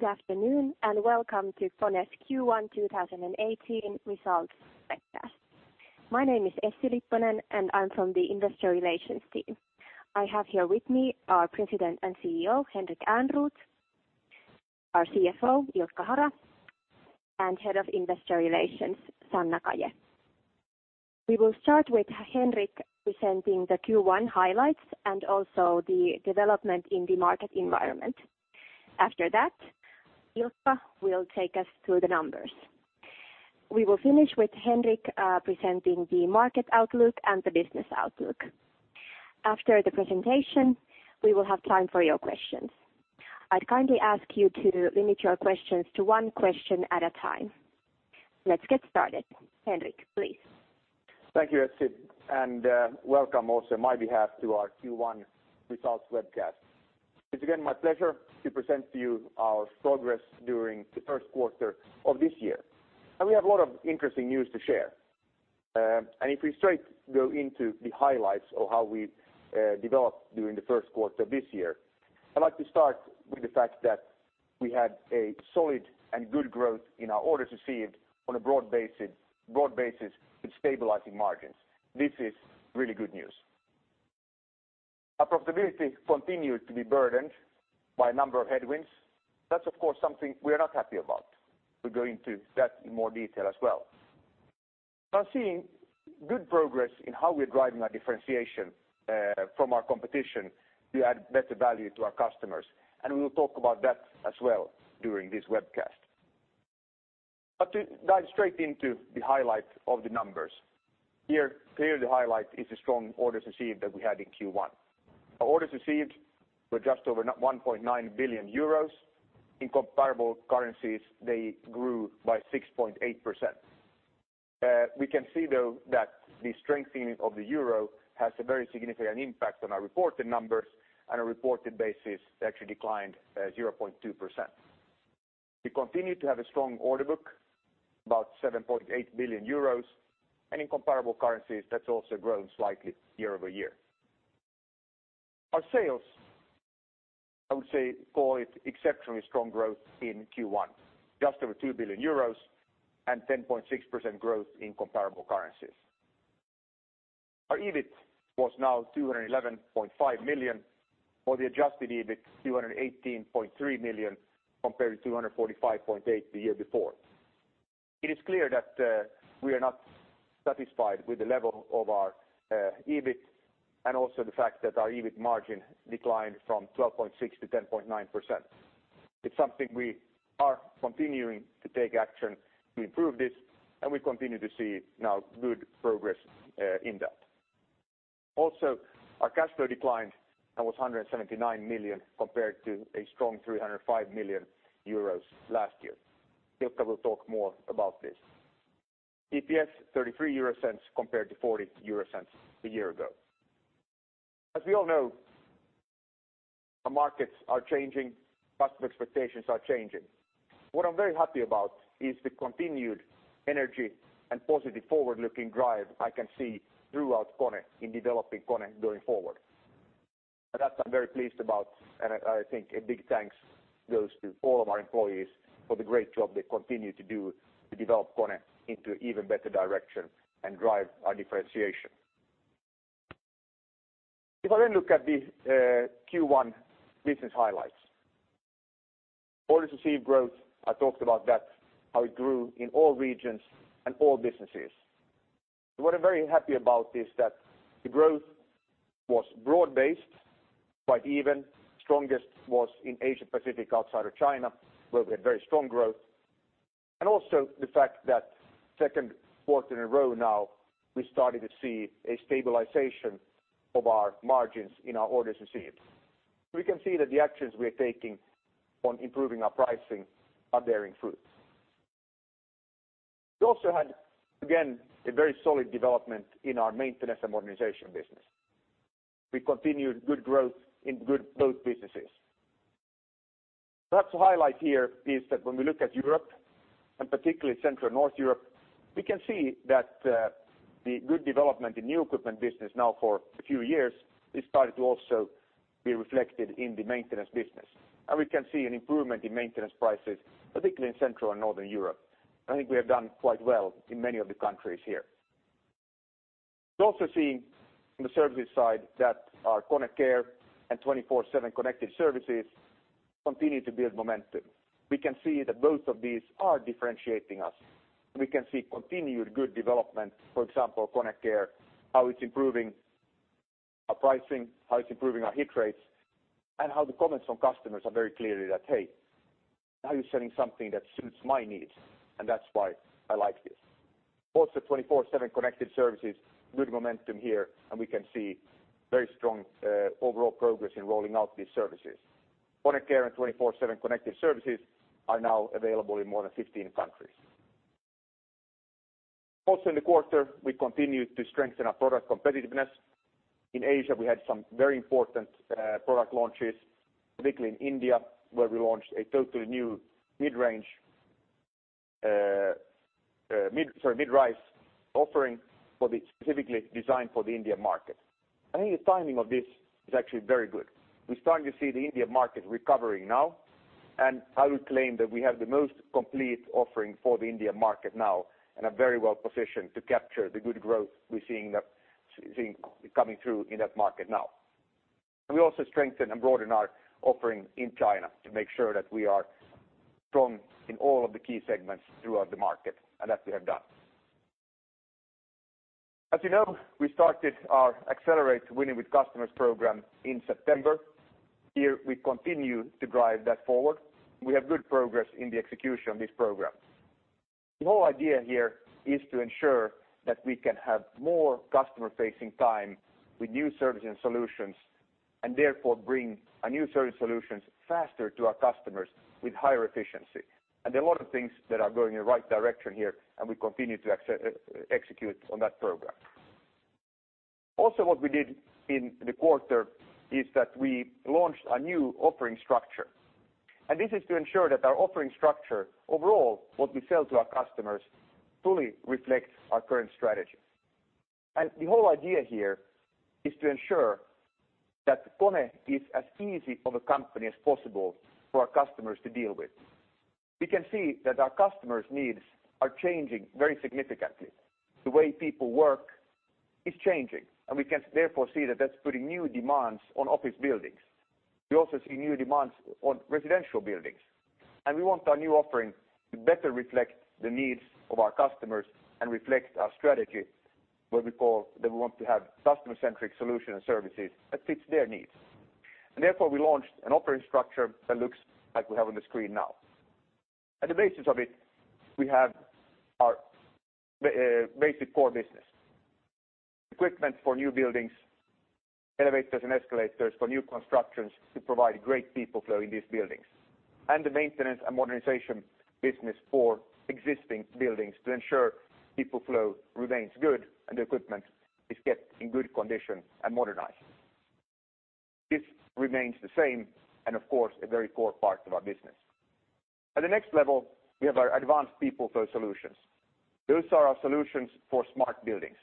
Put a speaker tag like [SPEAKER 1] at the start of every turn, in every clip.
[SPEAKER 1] Good afternoon, and welcome to KONE's Q1 2018 Results Webcast. My name is Essi Lipponen, and I am from the Investor Relations team. I have here with me our President and CEO, Henrik Ehrnrooth, our CFO, Ilkka Hara, and Head of Investor Relations, Sanna Kaje. We will start with Henrik presenting the Q1 highlights and also the development in the market environment. After that, Ilkka will take us through the numbers. We will finish with Henrik presenting the market outlook and the business outlook. After the presentation, we will have time for your questions. I would kindly ask you to limit your questions to one question at a time. Let's get started. Henrik, please.
[SPEAKER 2] Thank you, Essi, and welcome also on my behalf to our Q1 Results Webcast. It is again my pleasure to present to you our progress during the first quarter of this year. We have a lot of interesting news to share. If we straight go into the highlights of how we developed during the first quarter of this year, I would like to start with the fact that we had a solid and good growth in our orders received on a broad basis with stabilizing margins. This is really good news. Our profitability continued to be burdened by a number of headwinds. That is, of course, something we are not happy about. We will go into that in more detail as well. Now seeing good progress in how we are driving our differentiation from our competition to add better value to our customers. We will talk about that as well during this webcast. To dive straight into the highlight of the numbers. Here, clearly the highlight is the strong orders received that we had in Q1. Our orders received were just over 1.9 billion euros. In comparable currencies, they grew by 6.8%. We can see, though, that the strengthening of the euro has a very significant impact on our reported numbers, on a reported basis, they actually declined 0.2%. We continue to have a strong order book, about 7.8 billion euros, and in comparable currencies, that has also grown slightly year-over-year. Our sales, I would say, call it exceptionally strong growth in Q1, just over 2 billion euros and 10.6% growth in comparable currencies. Our EBIT was now 211.5 million, or the adjusted EBIT 218.3 million compared to 245.8 million the year before. It is clear that we are not satisfied with the level of our EBIT and also the fact that our EBIT margin declined from 12.6% to 10.9%. It is something we are continuing to take action to improve this, and we continue to see now good progress in that. Also, our cash flow declined and was 179 million compared to a strong 305 million euros last year. Ilkka will talk more about this. EPS, 0.33 compared to 0.40 a year ago. As we all know, our markets are changing, customer expectations are changing. What I am very happy about is the continued energy and positive forward-looking drive I can see throughout KONE in developing KONE going forward. That I am very pleased about. I think a big thanks goes to all of our employees for the great job they continue to do to develop KONE into even better direction and drive our differentiation. I look at the Q1 business highlights. Orders received growth, I talked about that, how it grew in all regions and all businesses. What I am very happy about is that the growth was broad-based, quite even. Strongest was in Asia-Pacific outside of China, where we had very strong growth. The fact that second quarter in a row now, we started to see a stabilization of our margins in our orders received. We can see that the actions we are taking on improving our pricing are bearing fruit. We also had, again, a very solid development in our maintenance and modernization business. We continued good growth in both businesses. Perhaps a highlight here is that when we look at Europe, particularly Central North Europe, we can see that the good development in new equipment business now for a few years is starting to also be reflected in the maintenance business. We can see an improvement in maintenance prices, particularly in Central and Northern Europe. I think we have done quite well in many of the countries here. We are also seeing on the service side that our KONE Care and KONE 24/7 Connected Services continue to build momentum. We can see that both of these are differentiating us. We can see continued good development, for example, KONE Care, how it is improving our pricing, how it is improving our hit rates, and how the comments from customers are very clearly that, hey, now you are selling something that suits my needs, and that is why I like this. KONE 24/7 Connected Services, good momentum here. We can see very strong overall progress in rolling out these services. KONE Care and KONE 24/7 Connected Services are now available in more than 15 countries. In the quarter, we continued to strengthen our product competitiveness. In Asia, we had some very important product launches, particularly in India, where we launched a totally new mid-rise offering specifically designed for the India market. I think the timing of this is actually very good. We are starting to see the India market recovering now, and I would claim that we have the most complete offering for the India market now and are very well positioned to capture the good growth we are seeing coming through in that market now. We also strengthen and broaden our offering in China to make sure that we are strong in all of the key segments throughout the market, and that we have done. As you know, we started our Accelerate Winning with Customers program in September. Here we continue to drive that forward. We have good progress in the execution of this program. The whole idea here is to ensure that we can have more customer-facing time with new services and solutions, and therefore bring new service solutions faster to our customers with higher efficiency. There are a lot of things that are going in the right direction here, and we continue to execute on that program. What we did in the quarter is that we launched a new offering structure. This is to ensure that our offering structure overall, what we sell to our customers, fully reflects our current strategy. The whole idea here is to ensure that KONE is as easy of a company as possible for our customers to deal with. We can see that our customers' needs are changing very significantly. The way people work is changing, we can therefore see that that's putting new demands on office buildings. We also see new demands on residential buildings. We want our new offering to better reflect the needs of our customers and reflect our strategy, what we call that we want to have customer-centric solution and services that fits their needs. Therefore, we launched an offering structure that looks like we have on the screen now. At the basis of it, we have our basic core business. Equipment for new buildings, elevators and escalators for new constructions to provide great people flow in these buildings. The maintenance and modernization business for existing buildings to ensure people flow remains good and the equipment is kept in good condition and modernized. This remains the same and of course, a very core part of our business. At the next level, we have our advanced people flow solutions. Those are our solutions for smart buildings.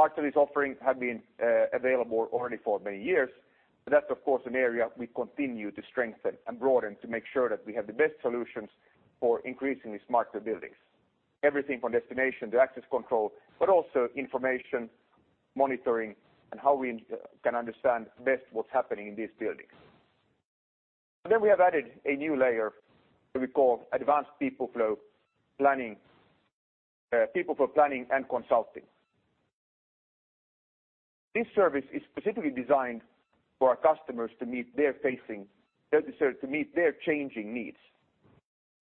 [SPEAKER 2] Parts of these offerings have been available already for many years, that's of course, an area we continue to strengthen and broaden to make sure that we have the best solutions for increasingly smarter buildings. Everything from destination to access control, but also information monitoring and how we can understand best what's happening in these buildings. Then we have added a new layer that we call advanced people flow planning and consulting. This service is specifically designed for our customers to meet their changing needs.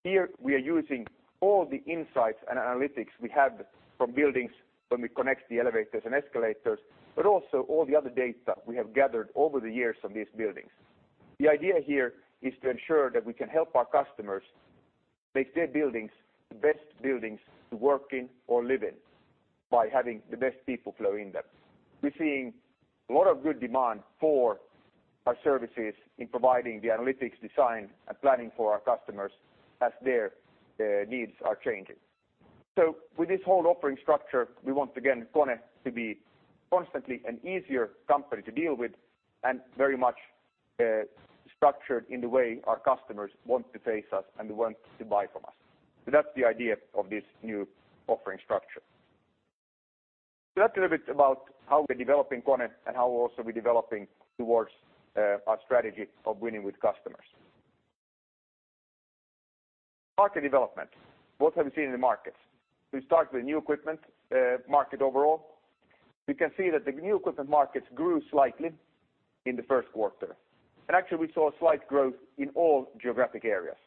[SPEAKER 2] Here we are using all the insights and analytics we have from buildings when we connect the elevators and escalators, but also all the other data we have gathered over the years from these buildings. The idea here is to ensure that we can help our customers make their buildings the best buildings to work in or live in by having the best people flow in them. We're seeing a lot of good demand for our services in providing the analytics design and planning for our customers as their needs are changing. With this whole offering structure, we want, again, KONE to be constantly an easier company to deal with and very much structured in the way our customers want to face us and want to buy from us. That's the idea of this new offering structure. That's a little bit about how we're developing KONE and how also we're developing towards our strategy of Winning with Customers. Market development. What have we seen in the markets? We start with new equipment market overall. We can see that the new equipment markets grew slightly in the first quarter. Actually, we saw a slight growth in all geographic areas.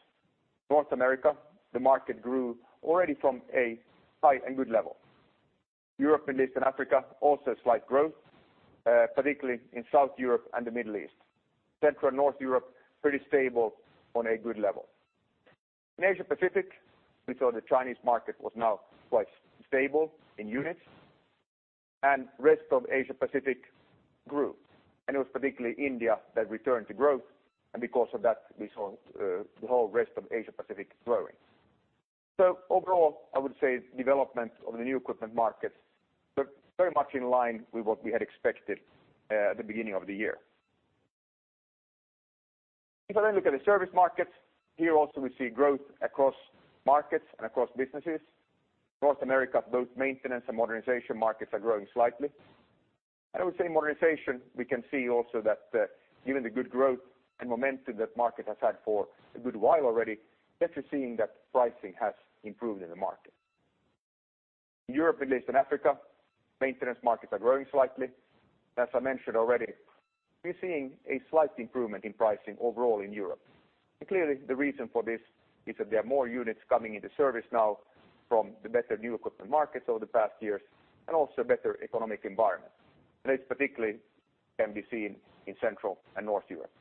[SPEAKER 2] North America, the market grew already from a high and good level. Europe, Middle East, and Africa, also slight growth, particularly in South Europe and the Middle East. Central and North Europe, pretty stable on a good level. In Asia-Pacific, we saw the Chinese market was now quite stable in units, rest of Asia-Pacific grew. It was particularly India that returned to growth, because of that, we saw the whole rest of Asia-Pacific growing. Overall, I would say development of the new equipment markets looked very much in line with what we had expected at the beginning of the year. Here also we see growth across markets and across businesses. North America, both maintenance and modernization markets are growing slightly. I would say modernization, we can see also that given the good growth and momentum that market has had for a good while already, that we're seeing that pricing has improved in the market. In Europe, Middle East, and Africa, maintenance markets are growing slightly. As I mentioned already, we're seeing a slight improvement in pricing overall in Europe. Clearly the reason for this is that there are more units coming into service now from the better new equipment markets over the past years and also better economic environment. This particularly can be seen in Central and North Europe.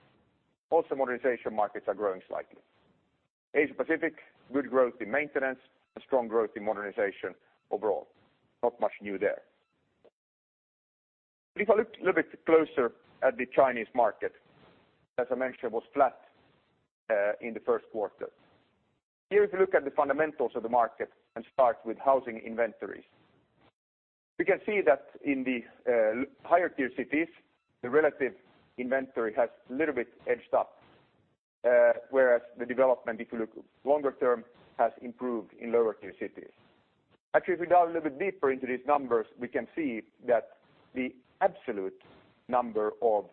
[SPEAKER 2] Also, modernization markets are growing slightly. Asia-Pacific, good growth in maintenance and strong growth in modernization overall. Not much new there. The Chinese market, as I mentioned, was flat in the first quarter. If you look at the fundamentals of the market and start with housing inventories. We can see that in the higher tier cities, the relative inventory has a little bit edged up, whereas the development, if you look longer term, has improved in lower tier cities. If we dive a little bit deeper into these numbers, we can see that the absolute number of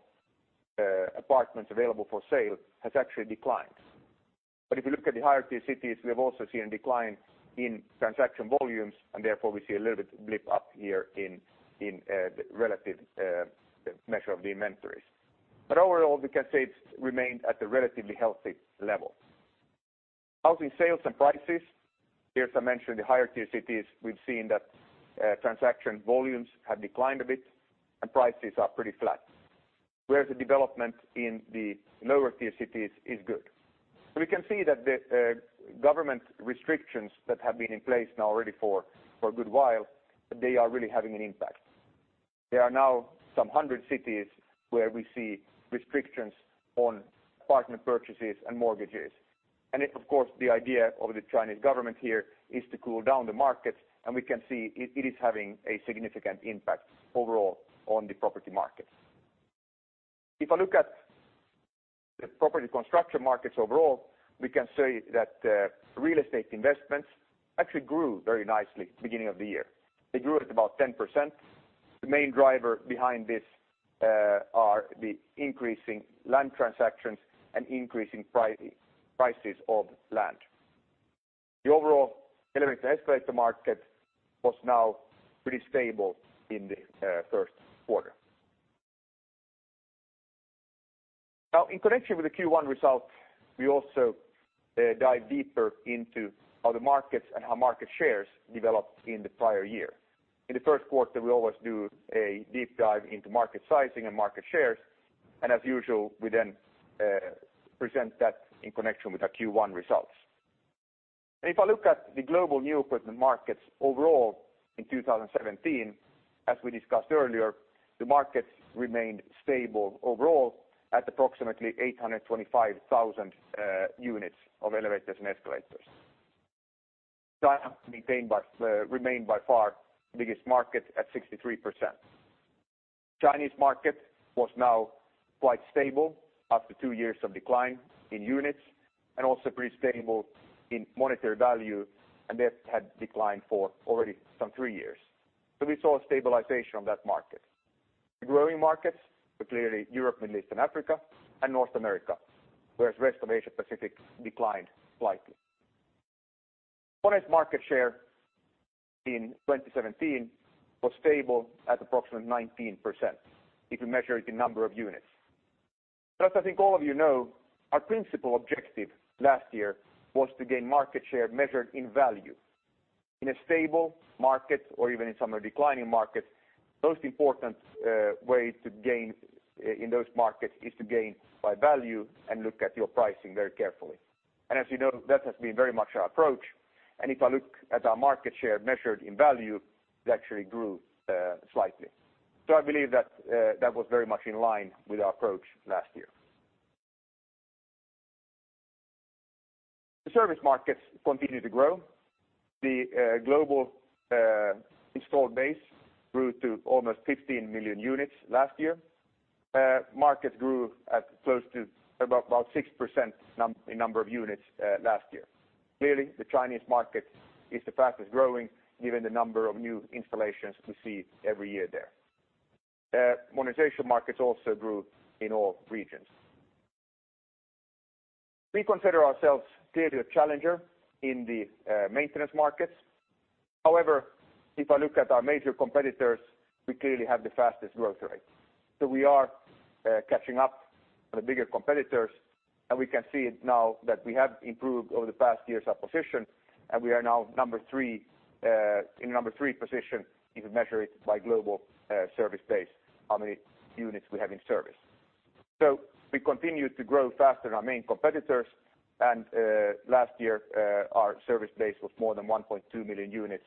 [SPEAKER 2] apartments available for sale has actually declined. If you look at the higher tier cities, we have also seen a decline in transaction volumes, and therefore we see a little bit blip up here in the relative measure of the inventories. Overall, we can say it's remained at a relatively healthy level. Housing sales and prices. As I mentioned, the higher tier cities we've seen that transaction volumes have declined a bit and prices are pretty flat. The development in the lower tier cities is good. We can see that the government restrictions that have been in place now already for a good while, they are really having an impact. There are now some 100 cities where we see restrictions on apartment purchases and mortgages. The idea of the Chinese government here is to cool down the market, and we can see it is having a significant impact overall on the property market. We can say that real estate investments actually grew very nicely beginning of the year. They grew at about 10%. The main driver behind this are the increasing land transactions and increasing prices of land. The overall elevator escalator market was now pretty stable in the first quarter. In connection with the Q1 results, we also dive deeper into other markets and how market shares developed in the prior year. In the first quarter, we always do a deep dive into market sizing and market shares. We then present that in connection with our Q1 results. If I look at the global new equipment markets overall in 2017, as we discussed earlier, the markets remained stable overall at approximately 825,000 units of elevators and escalators. China remained by far the biggest market at 63%. Chinese market was now quite stable after two years of decline in units and also pretty stable in monetary value, and that had declined for already some three years. We saw a stabilization of that market. The growing markets are clearly Europe, Middle East and Africa and North America, whereas rest of Asia Pacific declined slightly. KONE's market share in 2017 was stable at approximately 19%, if you measure it in number of units. I think all of you know, our principal objective last year was to gain market share measured in value. In a stable market or even in some declining markets, most important way to gain in those markets is to gain by value and look at your pricing very carefully. As you know, that has been very much our approach. If I look at our market share measured in value, it actually grew slightly. I believe that was very much in line with our approach last year. The service markets continue to grow. The global installed base grew to almost 15 million units last year. Markets grew at close to about 6% in number of units last year. Clearly, the Chinese market is the fastest growing given the number of new installations we see every year there. Monetization markets also grew in all regions. We consider ourselves clearly a challenger in the maintenance markets. However, if I look at our major competitors, we clearly have the fastest growth rate. We are catching up on the bigger competitors, and we can see it now that we have improved over the past years our position, and we are now in number 3 position if you measure it by global service base, how many units we have in service. We continue to grow faster than our main competitors, and last year our service base was more than 1.2 million units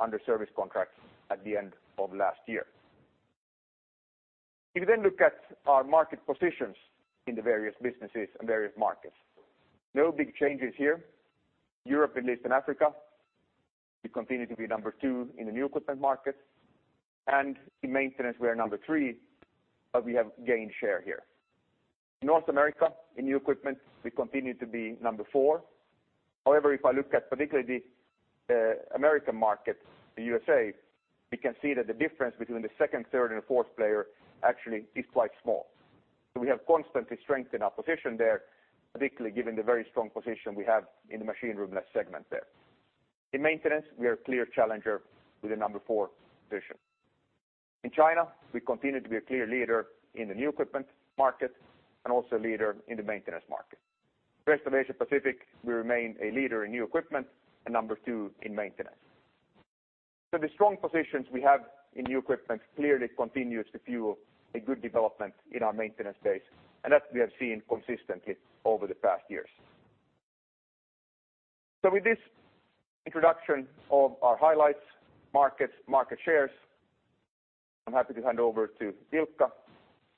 [SPEAKER 2] under service contracts at the end of last year. If you look at our market positions in the various businesses and various markets, no big changes here. Europe, Middle East and Africa, we continue to be number 2 in the new equipment markets. In maintenance we are number 3, but we have gained share here. North America, in new equipment, we continue to be number 4. However, if I look at particularly the American market, the U.S.A., we can see that the difference between the second, third and fourth player actually is quite small. We have constantly strengthened our position there, particularly given the very strong position we have in the machine-room-less segment there. In maintenance, we are a clear challenger with a number 4 position. In China, we continue to be a clear leader in the new equipment market and also a leader in the maintenance market. Rest of Asia Pacific, we remain a leader in new equipment and number 2 in maintenance. The strong positions we have in new equipment clearly continues to fuel a good development in our maintenance base. That we have seen consistently over the past years. With this introduction of our highlights, markets, market shares, I'm happy to hand over to Ilkka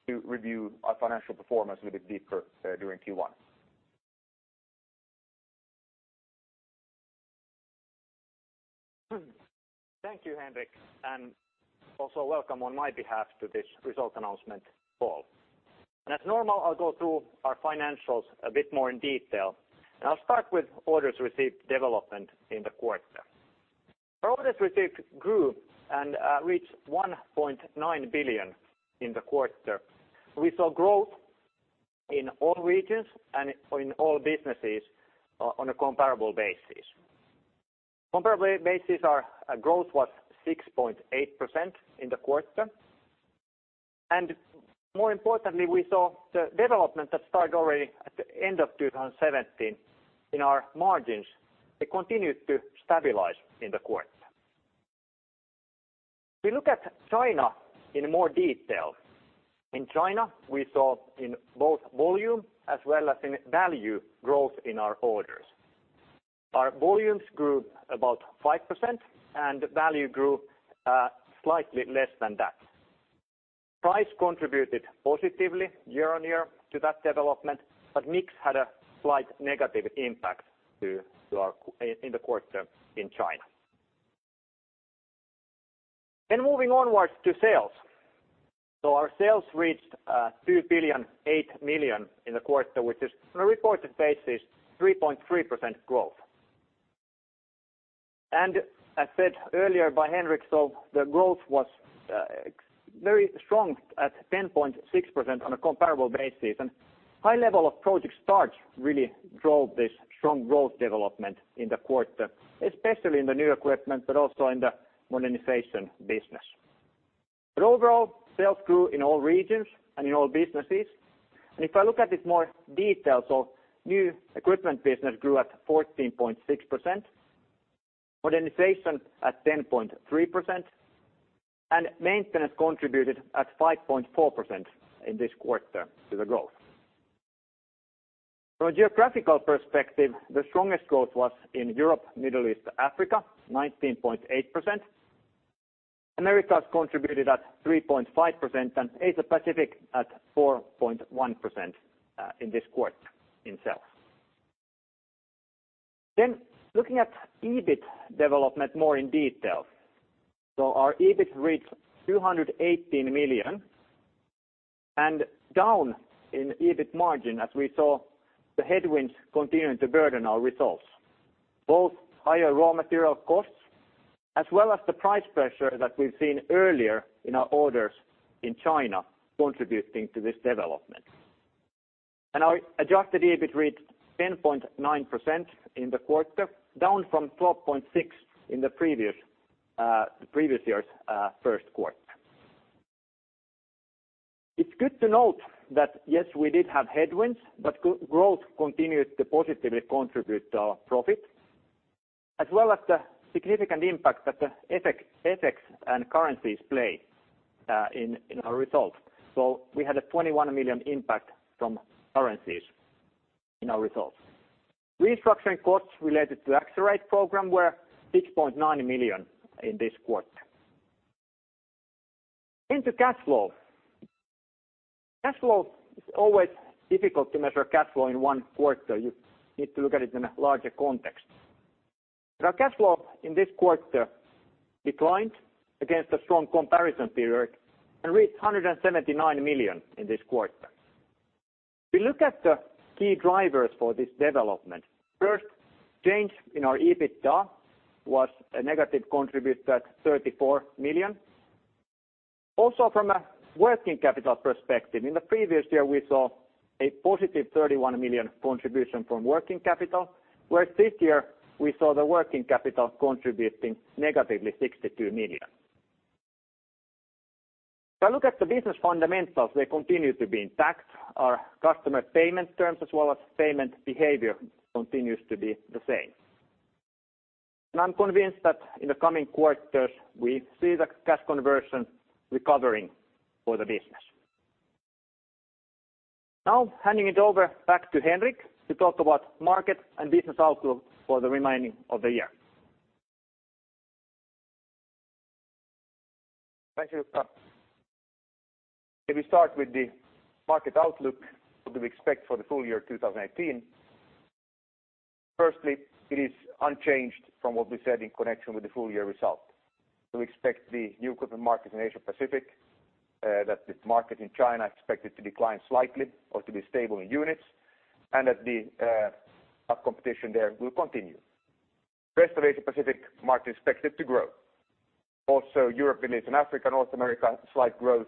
[SPEAKER 2] to review our financial performance a little bit deeper during Q1.
[SPEAKER 3] Thank you, Henrik, also welcome on my behalf to this result announcement call. As normal, I'll go through our financials a bit more in detail. I'll start with orders received development in the quarter. Our orders received grew and reached 1.9 billion in the quarter. We saw growth in all regions and in all businesses on a comparable basis. Comparable basis, our growth was 6.8% in the quarter. More importantly, we saw the development that started already at the end of 2017 in our margins. It continued to stabilize in the quarter. We look at China in more detail. In China, we saw in both volume as well as in value growth in our orders. Our volumes grew about 5%, and value grew slightly less than that. Price contributed positively year-on-year to that development, mix had a slight negative impact in the quarter in China. Moving onwards to sales. Our sales reached 2.008 billion in the quarter, which is on a reported basis, 3.3% growth. As said earlier by Henrik, the growth was very strong at 10.6% on a comparable basis. High level of project starts really drove this strong growth development in the quarter, especially in the new equipment, also in the modernization business. Overall, sales grew in all regions and in all businesses. If I look at it more detail, new equipment business grew at 14.6%, modernization at 10.3%, and maintenance contributed at 5.4% in this quarter to the growth. From a geographical perspective, the strongest growth was in Europe, Middle East, Africa, 19.8%. Americas contributed at 3.5% and Asia Pacific at 4.1% in this quarter in sales. Looking at EBIT development more in detail. Our EBIT reached 218 million down in EBIT margin as we saw the headwinds continuing to burden our results. Both higher raw material costs as well as the price pressure that we've seen earlier in our orders in China contributing to this development. Our adjusted EBIT reached 10.9% in the quarter, down from 12.6% in the previous year's first quarter. It's good to note that, yes, we did have headwinds, growth continued to positively contribute to our profit, as well as the significant impact that the FX and currencies play in our results. We had a 21 million impact from currencies in our results. Restructuring costs related to Accelerate program were 6.9 million in this quarter. Into cash flow. Cash flow is always difficult to measure cash flow in one quarter. You need to look at it in a larger context. Our cash flow in this quarter declined against a strong comparison period and reached 179 million in this quarter. We look at the key drivers for this development. First, change in our EBITDA was a negative contribute at 34 million. Also from a working capital perspective, in the previous year, we saw a positive 31 million contribution from working capital, where this year we saw the working capital contributing negatively 62 million. If I look at the business fundamentals, they continue to be intact. Our customer payment terms as well as payment behavior continues to be the same. I'm convinced that in the coming quarters, we see the cash conversion recovering for the business. Handing it over back to Henrik to talk about market and business outlook for the remaining of the year.
[SPEAKER 2] Thank you, Ilkka. If we start with the market outlook, what do we expect for the full year 2018? Firstly, it is unchanged from what we said in connection with the full year result. We expect the new equipment market in Asia Pacific, that the market in China expected to decline slightly or to be stable in units, and that the tough competition there will continue. Rest of Asia Pacific market is expected to grow. Also Europe, Middle East, and Africa, North America, slight growth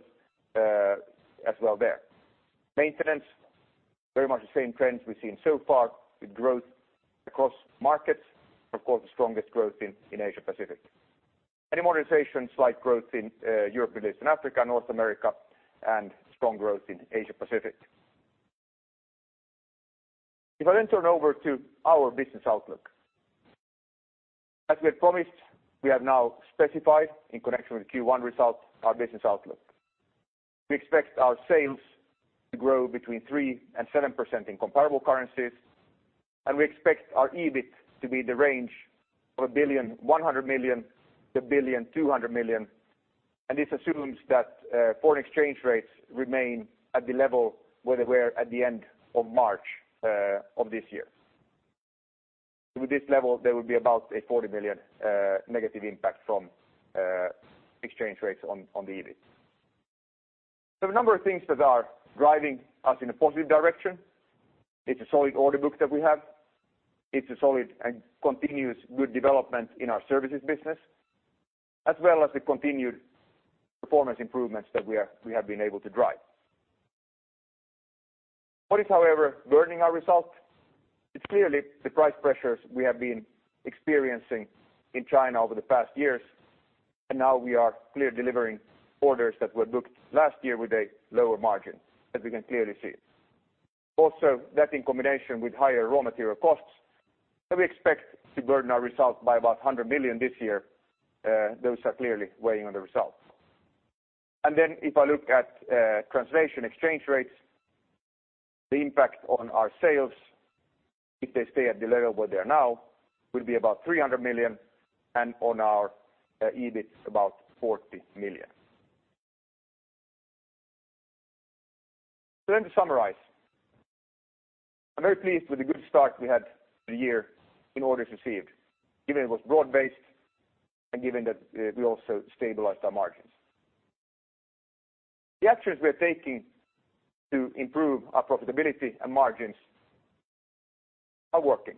[SPEAKER 2] as well there. Maintenance, very much the same trends we've seen so far with growth across markets. Of course, the strongest growth in Asia Pacific. In modernization, slight growth in Europe, Middle East, and Africa, North America, and strong growth in Asia Pacific. I turn over to our business outlook. As we had promised, we have now specified in connection with Q1 results, our business outlook. We expect our sales to grow between 3%-7% in comparable currencies, we expect our EBIT to be in the range of 1.1 billion-1.2 billion. This assumes that foreign exchange rates remain at the level where they were at the end of March of this year. With this level, there will be about a 40 million negative impact from exchange rates on the EBIT. There are a number of things that are driving us in a positive direction. It's a solid order book that we have. It's a solid and continuous good development in our services business, as well as the continued performance improvements that we have been able to drive. What is however burdening our result, it's clearly the price pressures we have been experiencing in China over the past years, we are clear delivering orders that were booked last year with a lower margin, as we can clearly see. Also that in combination with higher raw material costs, that we expect to burden our results by about 100 million this year. Those are clearly weighing on the results. If I look at translation exchange rates, the impact on our sales, if they stay at the level where they are now, will be about 300 million, and on our EBIT about 40 million. To summarize, I'm very pleased with the good start we had to the year in orders received, given it was broad-based and given that we also stabilized our margins. The actions we are taking to improve our profitability and margins are working.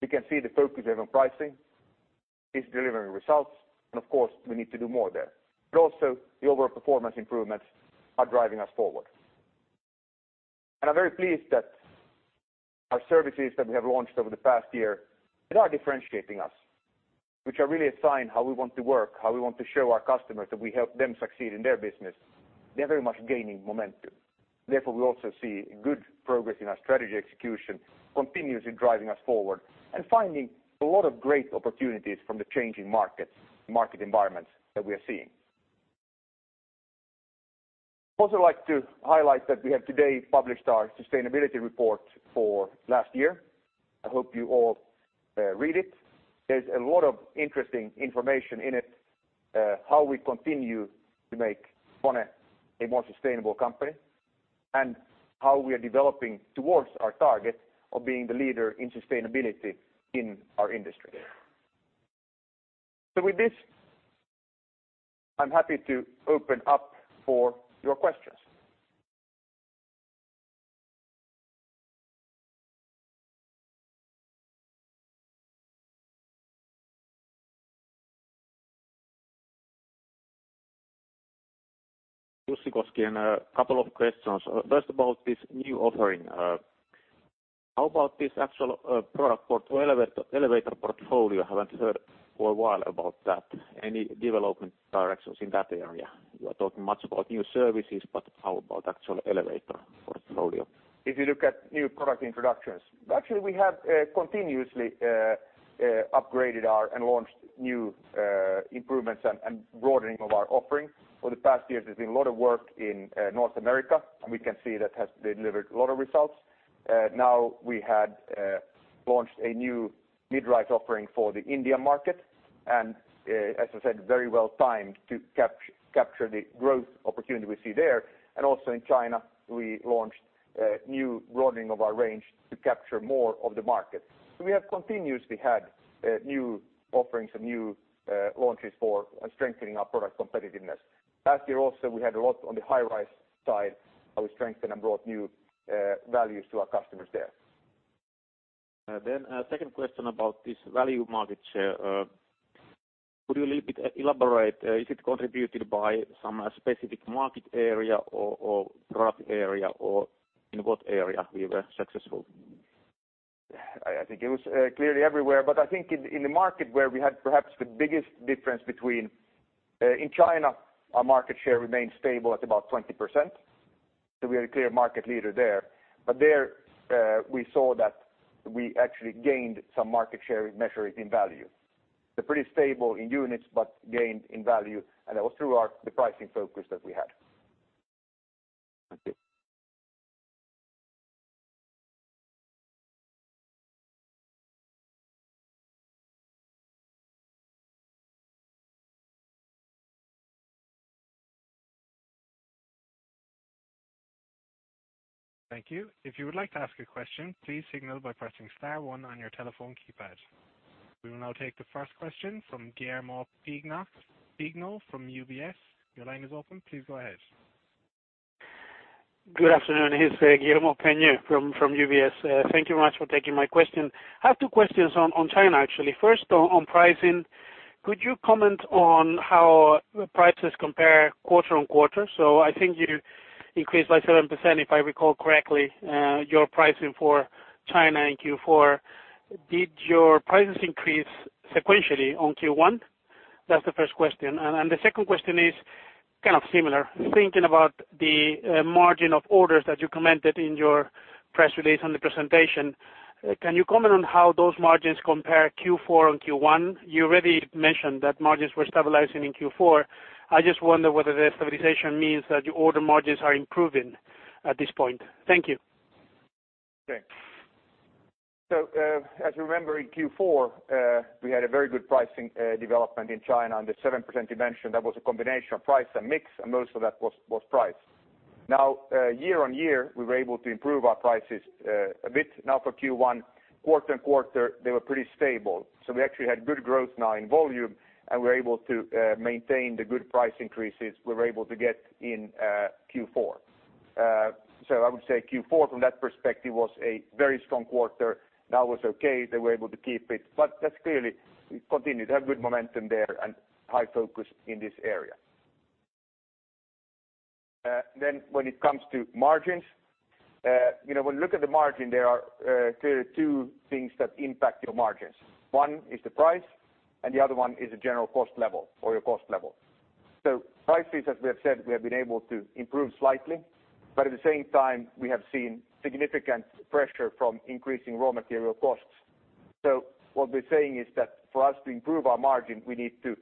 [SPEAKER 2] You can see the focus we have on pricing is delivering results. Of course, we need to do more there. Also the overall performance improvements are driving us forward. I'm very pleased that our services that we have launched over the past year are differentiating us, which are really a sign how we want to work, how we want to show our customers that we help them succeed in their business. They're very much gaining momentum. We also see good progress in our strategy execution continuously driving us forward and finding a lot of great opportunities from the changing market environments that we are seeing. I also like to highlight that we have today published our sustainability report for last year. I hope you all read it. There's a lot of interesting information in it, how we continue to make KONE a more sustainable company, and how we are developing towards our target of being the leader in sustainability in our industry. With this, I'm happy to open up for your questions.
[SPEAKER 4] Jussi Koskinen. A couple of questions. First about this new offering. How about this actual elevator portfolio? Haven't heard for a while about that. Any development directions in that area? You are talking much about new services, how about actual elevator portfolio?
[SPEAKER 2] If you look at new product introductions, actually we have continuously upgraded and launched new improvements and broadening of our offering. For the past years, there's been a lot of work in North America, we can see that has delivered a lot of results. Now we had launched a new mid-rise offering for the Indian market, as I said, very well timed to capture the growth opportunity we see there. Also in China, we launched a new broadening of our range to capture more of the market. We have continuously had new offerings and new launches for strengthening our product competitiveness. Last year also, we had a lot on the high-rise side how we strengthened and brought new values to our customers there.
[SPEAKER 4] Second question about this value market share. Could you a little bit elaborate, is it contributed by some specific market area or product area, or in what area we were successful?
[SPEAKER 2] I think it was clearly everywhere, but I think in the market where we had perhaps the biggest difference. In China, our market share remained stable at about 20%, we are a clear market leader there. There we saw that we actually gained some market share measuring in value. Pretty stable in units, but gained in value, and that was through the pricing focus that we had.
[SPEAKER 4] Thank you.
[SPEAKER 5] Thank you. If you would like to ask a question, please signal by pressing star one on your telephone keypad. We will now take the first question from Guillermo Peigneux from UBS. Your line is open. Please go ahead.
[SPEAKER 6] Good afternoon. This is Guillermo Peigneux from UBS. Thank you much for taking my question. I have two questions on China, actually. First, on pricing, could you comment on how prices compare quarter-on-quarter? I think you increased by 7%, if I recall correctly, your pricing for China in Q4. Did your prices increase sequentially on Q1? That's the first question. The second question is kind of similar. Thinking about the margin of orders that you commented in your press release on the presentation, can you comment on how those margins compare Q4 and Q1? You already mentioned that margins were stabilizing in Q4. I just wonder whether the stabilization means that your order margins are improving at this point. Thank you.
[SPEAKER 2] Okay. As you remember, in Q4, we had a very good pricing development in China on the 7% you mentioned. That was a combination of price and mix, and most of that was price. Year-on-year, we were able to improve our prices a bit. For Q1, quarter-on-quarter, they were pretty stable. We actually had good growth now in volume, and we're able to maintain the good price increases we were able to get in Q4. I would say Q4 from that perspective was a very strong quarter. It's okay. They were able to keep it. That's clearly continued to have good momentum there and high focus in this area. When it comes to margins. When you look at the margin, there are clearly two things that impact your margins. One is the price, and the other one is the general cost level or your cost level. Prices, as we have said, we have been able to improve slightly, but at the same time, we have seen significant pressure from increasing raw material costs. What we're saying is that for us to improve our margin, we need to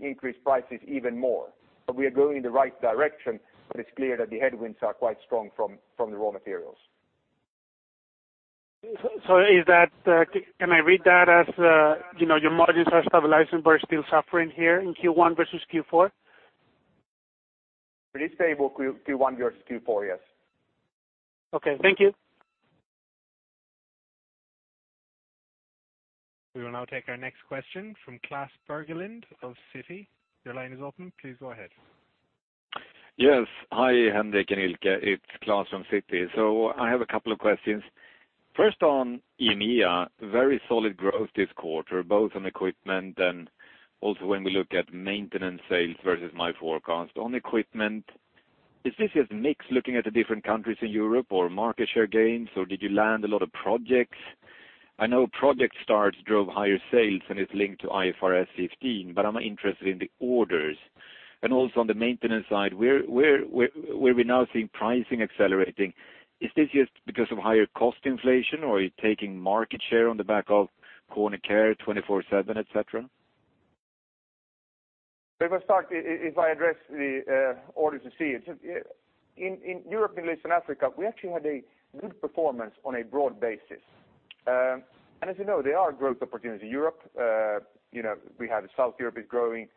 [SPEAKER 2] increase prices even more. We are going in the right direction, but it's clear that the headwinds are quite strong from the raw materials.
[SPEAKER 6] Can I read that as your margins are stabilizing, but are still suffering here in Q1 versus Q4?
[SPEAKER 2] Pretty stable Q1 versus Q4, yes.
[SPEAKER 6] Okay. Thank you.
[SPEAKER 5] We will now take our next question from Klas Bergelind of Citi. Your line is open. Please go ahead.
[SPEAKER 7] Yes. Hi, Henrik and Ilkka. It's Klas from Citi. I have a couple of questions. First on EMEA, very solid growth this quarter, both on equipment and also when we look at maintenance sales versus my forecast. On equipment, is this just mix looking at the different countries in Europe or market share gains, or did you land a lot of projects? I know project starts drove higher sales and it's linked to IFRS 15, but I'm interested in the orders. Also on the maintenance side, where we're now seeing pricing accelerating, is this just because of higher cost inflation, or are you taking market share on the back of KONE Care 24/7, et cetera?
[SPEAKER 2] If I address the orders you see. In Europe, Middle East, and Africa, we actually had a good performance on a broad basis. As you know, there are growth opportunities in Europe. We have South Europe is growing,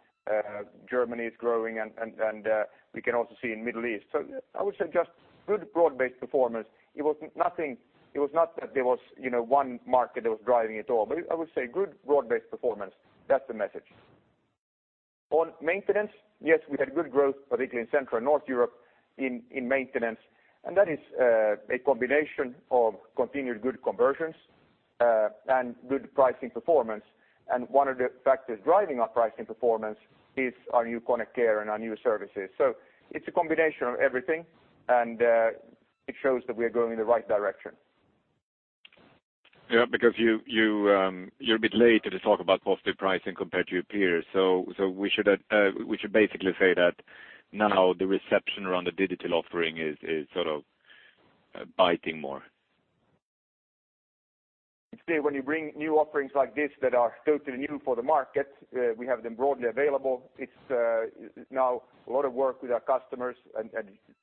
[SPEAKER 2] Germany is growing, and we can also see in Middle East. I would say just good broad-based performance. It was not that there was one market that was driving it all. I would say good broad-based performance. That's the message. On maintenance, yes, we had good growth, particularly in Central and North Europe in maintenance, and that is a combination of continued good conversions and good pricing performance. One of the factors driving our pricing performance is our new KONE Care and our new services. It's a combination of everything, and it shows that we are going in the right direction.
[SPEAKER 7] Because you're a bit late to talk about positive pricing compared to your peers. We should basically say that now the reception around the digital offering is sort of biting more.
[SPEAKER 2] It's clear when you bring new offerings like this that are totally new for the market, we have them broadly available. It's now a lot of work with our customers and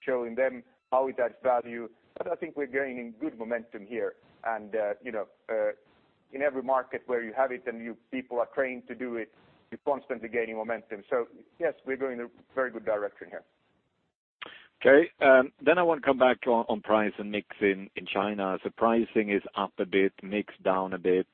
[SPEAKER 2] showing them how it adds value. I think we're gaining good momentum here. In every market where you have it and people are trained to do it, you're constantly gaining momentum. Yes, we're going in a very good direction here.
[SPEAKER 7] Okay. I want to come back on price and mix in China. Pricing is up a bit, mix down a bit.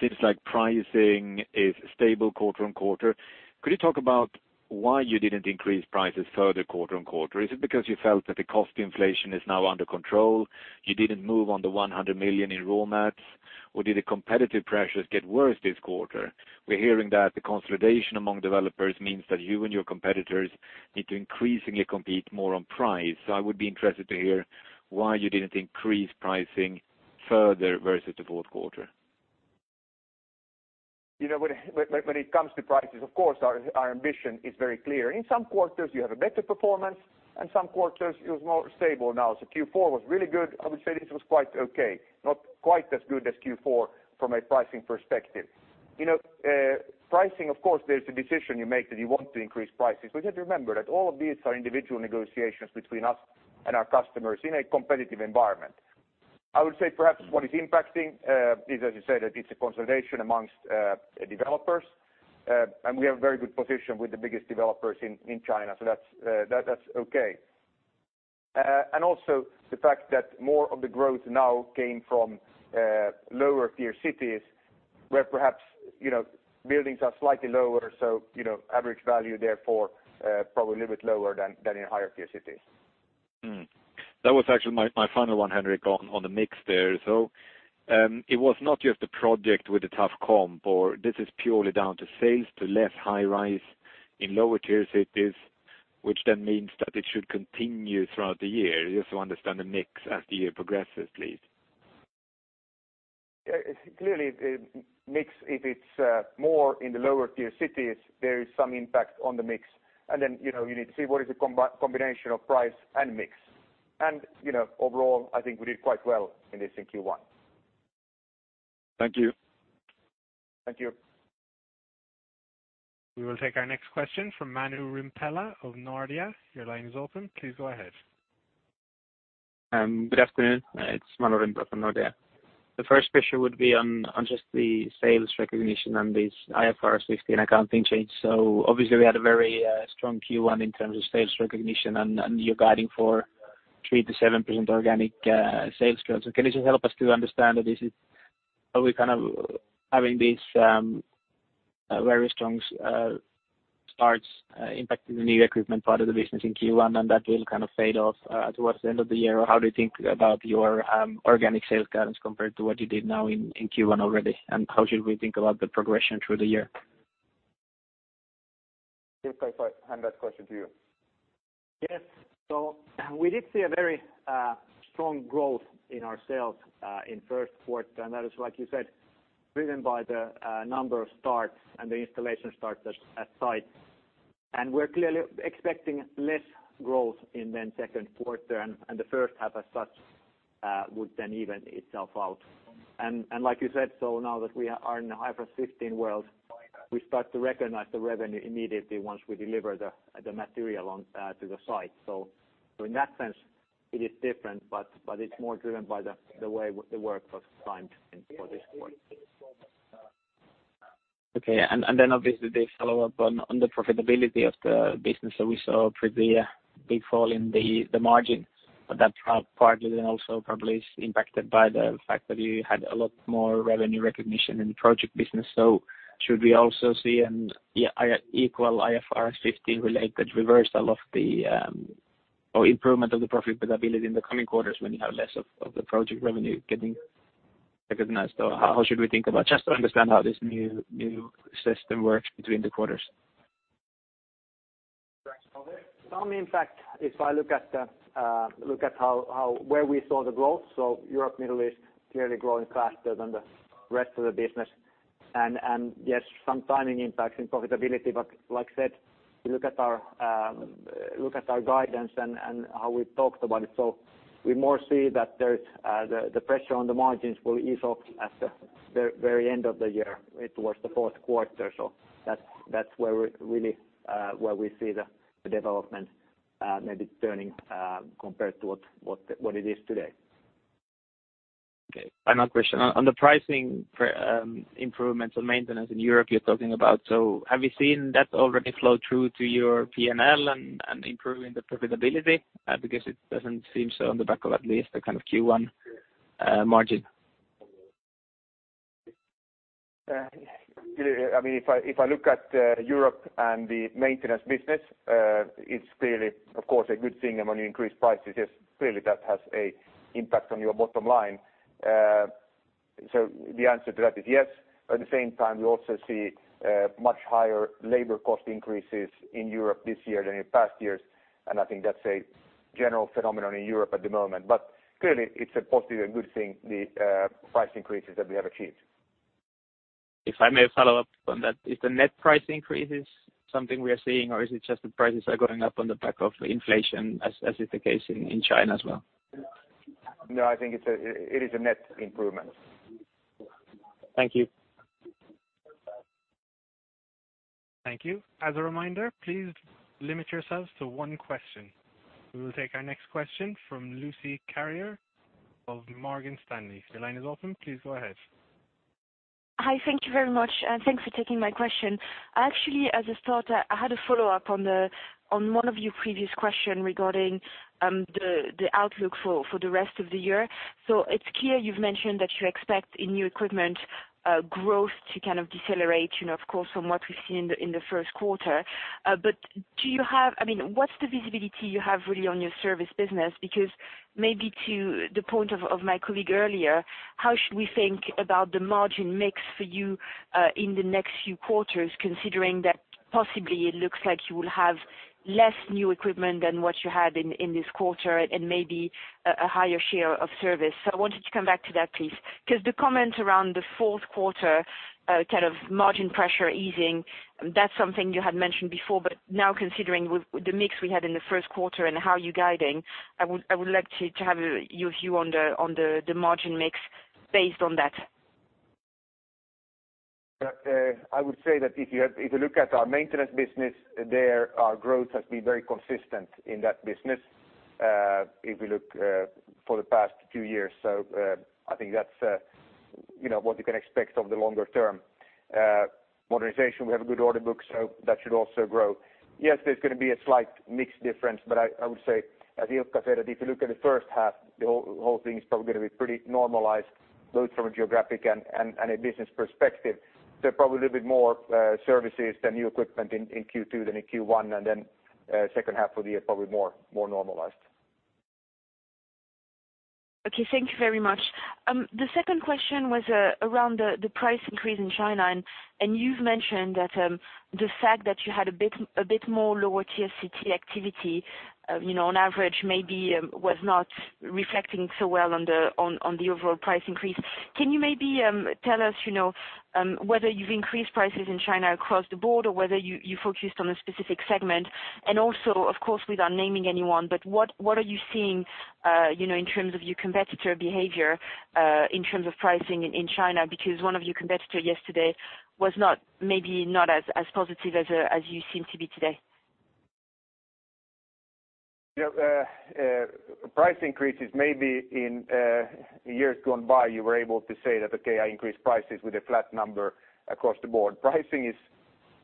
[SPEAKER 7] Seems like pricing is stable quarter on quarter. Could you talk about why you didn't increase prices further quarter on quarter? Is it because you felt that the cost inflation is now under control, you didn't move on the 100 million in raw mats, or did the competitive pressures get worse this quarter? We're hearing that the consolidation among developers means that you and your competitors need to increasingly compete more on price. I would be interested to hear why you didn't increase pricing further versus the fourth quarter.
[SPEAKER 2] When it comes to prices, of course, our ambition is very clear. In some quarters, you have a better performance and some quarters it was more stable now. Q4 was really good. I would say this was quite okay. Not quite as good as Q4 from a pricing perspective. Pricing, of course, there's a decision you make that you want to increase prices. We have to remember that all of these are individual negotiations between us and our customers in a competitive environment. I would say perhaps what is impacting is, as you said, that it's a consolidation amongst developers. We have a very good position with the biggest developers in China. That's okay. Also the fact that more of the growth now came from lower-tier cities where perhaps buildings are slightly lower, so average value, therefore, probably a little bit lower than in higher-tier cities.
[SPEAKER 7] That was actually my final one, Henrik, on the mix there. It was not just the project with the tough comp or this is purely down to sales to less high-rise in lower-tier cities, which then means that it should continue throughout the year. Just to understand the mix as the year progresses, please.
[SPEAKER 2] Clearly, the mix, if it's more in the lower-tier cities, there is some impact on the mix. Then you need to see what is the combination of price and mix. Overall, I think we did quite well in this in Q1.
[SPEAKER 7] Thank you.
[SPEAKER 2] Thank you.
[SPEAKER 5] We will take our next question from Manu Rimpelä of Nordea. Your line is open. Please go ahead.
[SPEAKER 8] Good afternoon. It's Manu Rimpelä from Nordea. The first question would be on just the sales recognition and the IFRS 15 accounting change. Obviously we had a very strong Q1 in terms of sales recognition, and you're guiding for 3%-7% organic sales growth. Can you just help us to understand are we kind of having these very strong starts impacting the new equipment part of the business in Q1, and that will kind of fade off towards the end of the year? Or how do you think about your organic sales guidance compared to what you did now in Q1 already, and how should we think about the progression through the year?
[SPEAKER 2] Ilkka, if I hand that question to you.
[SPEAKER 3] Yes. We did see a very strong growth in our sales in first quarter, and that is, like you said, driven by the number of starts and the installation starts at site. We're clearly expecting less growth in second quarter, and the first half as such would even itself out. Like you said, now that we are in the IFRS 15 world, we start to recognize the revenue immediately once we deliver the material on to the site. In that sense, it is different, but it's more driven by the way the work was timed for this quarter.
[SPEAKER 8] Okay. Obviously the follow-up on the profitability of the business that we saw pretty big fall in the margin, but that partly then also probably is impacted by the fact that you had a lot more revenue recognition in the project business. Should we also see an equal IFRS 15-related reversal of the improvement of the profitability in the coming quarters when you have less of the project revenue getting recognized? How should we think about it, just to understand how this new system works between the quarters?
[SPEAKER 2] Thanks. Ilkka.
[SPEAKER 3] Some impact if I look at where we saw the growth. Europe Middle East clearly growing faster than the rest of the business. Yes, some timing impacts in profitability, like I said, look at our guidance and how we've talked about it. We more see that the pressure on the margins will ease off at the very end of the year towards the fourth quarter. That's where we see the development maybe turning compared to what it is today.
[SPEAKER 8] Okay. Final question. On the pricing for improvements on maintenance in Europe you're talking about. Have you seen that already flow through to your P&L and improving the profitability? Because it doesn't seem so on the back of at least the kind of Q1 margin.
[SPEAKER 2] Clearly, if I look at Europe and the maintenance business it's clearly, of course, a good thing. When you increase prices, yes, clearly that has a impact on your bottom line. The answer to that is yes. At the same time, we also see much higher labor cost increases in Europe this year than in past years. I think that's a general phenomenon in Europe at the moment. Clearly it's a positive, a good thing, the price increases that we have achieved.
[SPEAKER 8] If I may follow up on that. Is the net price increases something we are seeing, or is it just the prices are going up on the back of inflation as is the case in China as well?
[SPEAKER 2] No, I think it is a net improvement.
[SPEAKER 8] Thank you.
[SPEAKER 5] Thank you. As a reminder, please limit yourselves to one question. We will take our next question from Lucie Carrier of Morgan Stanley. Your line is open. Please go ahead.
[SPEAKER 9] Hi, thank you very much. Thanks for taking my question. Actually, as a start, I had a follow-up on one of your previous question regarding the outlook for the rest of the year. It's clear you've mentioned that you expect in new equipment growth to kind of decelerate, of course, from what we've seen in the first quarter. What's the visibility you have really on your service business? Maybe to the point of my colleague earlier, how should we think about the margin mix for you in the next few quarters, considering that possibly it looks like you will have less new equipment than what you had in this quarter and maybe a higher share of service. I wanted to come back to that, please. The comment around the fourth quarter kind of margin pressure easing, that's something you had mentioned before, but now considering the mix we had in the first quarter and how you're guiding, I would like to have your view on the margin mix based on that.
[SPEAKER 2] I would say that if you look at our maintenance business, there our growth has been very consistent in that business if we look for the past two years. I think that's what you can expect of the longer term. Modernization, we have a good order book, that should also grow. There's going to be a slight mix difference, but I would say, as Ilkka said, that if you look at the first half, the whole thing is probably going to be pretty normalized both from a geographic and a business perspective. Probably a little bit more services than new equipment in Q2 than in Q1, and then second half of the year probably more normalized.
[SPEAKER 9] Okay, thank you very much. The second question was around the price increase in China, you've mentioned that the fact that you had a bit lower tier city activity on average, maybe was not reflecting so well on the overall price increase. Can you maybe tell us whether you've increased prices in China across the board or whether you focused on a specific segment and also, of course, without naming anyone, but what are you seeing in terms of your competitor behavior, in terms of pricing in China? One of your competitor yesterday was maybe not as positive as you seem to be today.
[SPEAKER 2] Price increases, maybe in years gone by, you were able to say that, okay, I increased prices with a flat number across the board. Pricing is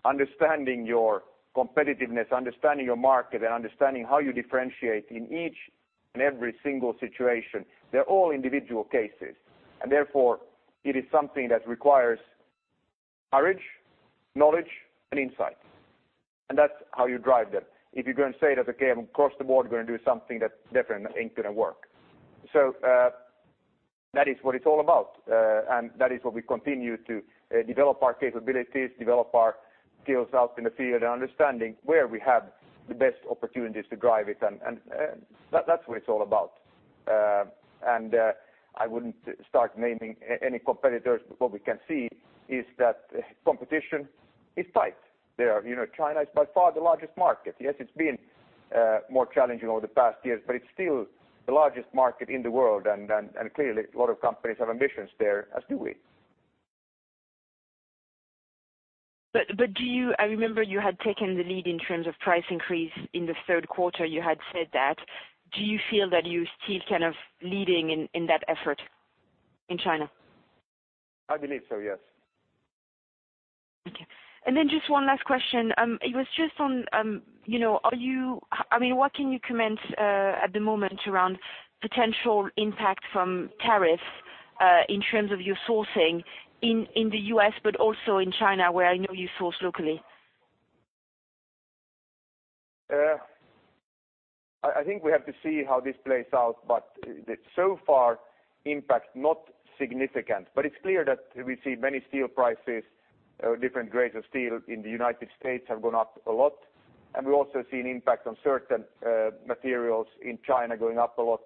[SPEAKER 2] understanding your competitiveness, understanding your market, and understanding how you differentiate in each and every single situation. They're all individual cases, therefore, it is something that requires courage, knowledge, and insight. That's how you drive them. If you're going to say that, okay, across the board, we're going to do something that definitely ain't going to work. That is what it's all about. That is what we continue to develop our capabilities, develop our skills out in the field, and understanding where we have the best opportunities to drive it. That's what it's all about. I wouldn't start naming any competitors. What we can see is that competition is tight there. China is by far the largest market. It's been more challenging over the past years, it's still the largest market in the world. Clearly, a lot of companies have ambitions there, as do we.
[SPEAKER 9] I remember you had taken the lead in terms of price increase in the third quarter, you had said that. Do you feel that you're still kind of leading in that effort in China?
[SPEAKER 2] I believe so, yes.
[SPEAKER 9] Okay. Just one last question. It was just on, what can you comment at the moment around potential impact from tariffs, in terms of your sourcing in the U.S., but also in China, where I know you source locally?
[SPEAKER 2] I think we have to see how this plays out, so far, impact not significant. It's clear that we see many steel prices, different grades of steel in the United States have gone up a lot. We've also seen impact on certain materials in China going up a lot.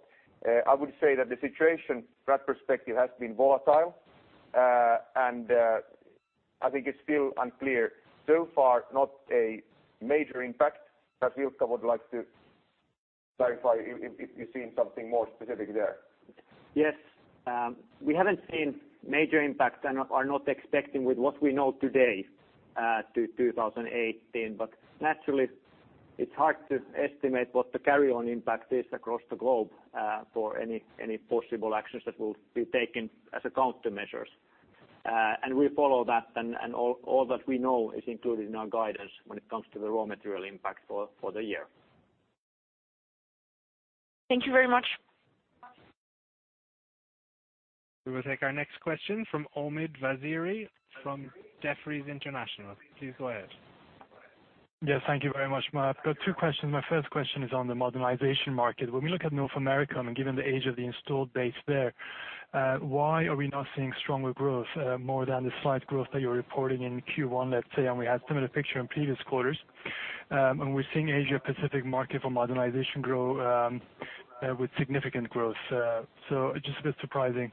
[SPEAKER 2] I would say that the situation from that perspective has been volatile. I think it's still unclear. So far, not a major impact, but Ilkka would like to clarify if you're seeing something more specific there.
[SPEAKER 3] Yes. We haven't seen major impact and are not expecting with what we know today to 2018. Naturally, it's hard to estimate what the carry-on impact is across the globe for any possible actions that will be taken as countermeasures. We follow that and all that we know is included in our guidance when it comes to the raw material impact for the year.
[SPEAKER 9] Thank you very much.
[SPEAKER 5] We will take our next question from Omid Vaziri from Jefferies International. Please go ahead.
[SPEAKER 10] Yes, thank you very much. I've got two questions. My first question is on the modernization market. When we look at North America and given the age of the installed base there, why are we not seeing stronger growth more than the slight growth that you're reporting in Q1, let's say, and we had similar picture in previous quarters. We're seeing Asia Pacific market for modernization grow with significant growth. Just a bit surprising.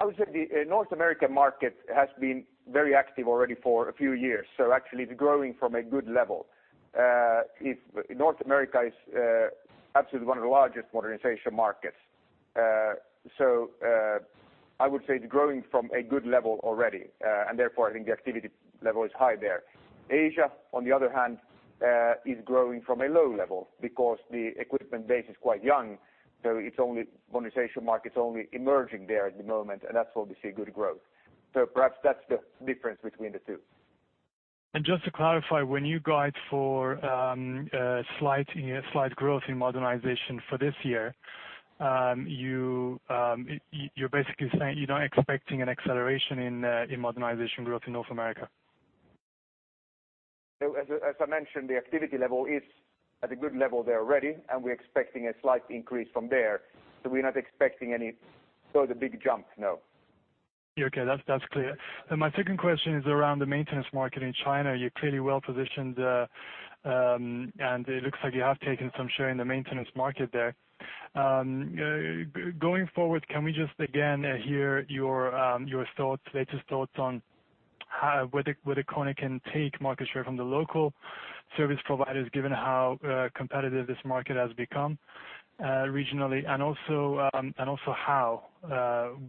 [SPEAKER 2] I would say the North American market has been very active already for a few years. Actually, it's growing from a good level. North America is absolutely one of the largest modernization markets. I would say it's growing from a good level already. Therefore, I think the activity level is high there. Asia, on the other hand, is growing from a low level because the equipment base is quite young. The modernization market's only emerging there at the moment, and that's why we see good growth. Perhaps that's the difference between the two.
[SPEAKER 10] Just to clarify, when you guide for slight growth in modernization for this year, you're basically saying you're not expecting an acceleration in modernization growth in North America.
[SPEAKER 2] As I mentioned, the activity level is at a good level there already, and we're expecting a slight increase from there. We're not expecting any sort of big jump, no.
[SPEAKER 10] Okay. That's clear. My second question is around the maintenance market in China. You're clearly well positioned there and it looks like you have taken some share in the maintenance market there. Going forward, can we just again hear your latest thoughts on whether KONE can take market share from the local service providers, given how competitive this market has become regionally and also how,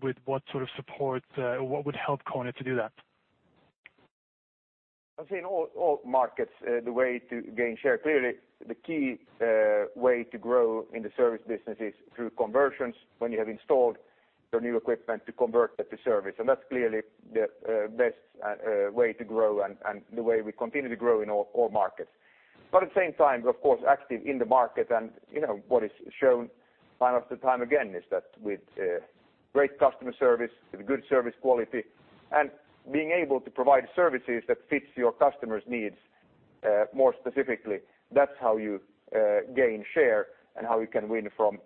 [SPEAKER 10] with what sort of support, what would help KONE to do that?
[SPEAKER 2] I'd say in all markets the way to gain share, clearly the key way to grow in the service business is through conversions. When you have installed your new equipment to convert that to service. That's clearly the best way to grow and the way we continue to grow in all markets. At the same time, of course, active in the market and what is shown time after time again is that with great customer service, with good service quality, and being able to provide services that fits your customer's needs More specifically, that's how you gain share and how you can win from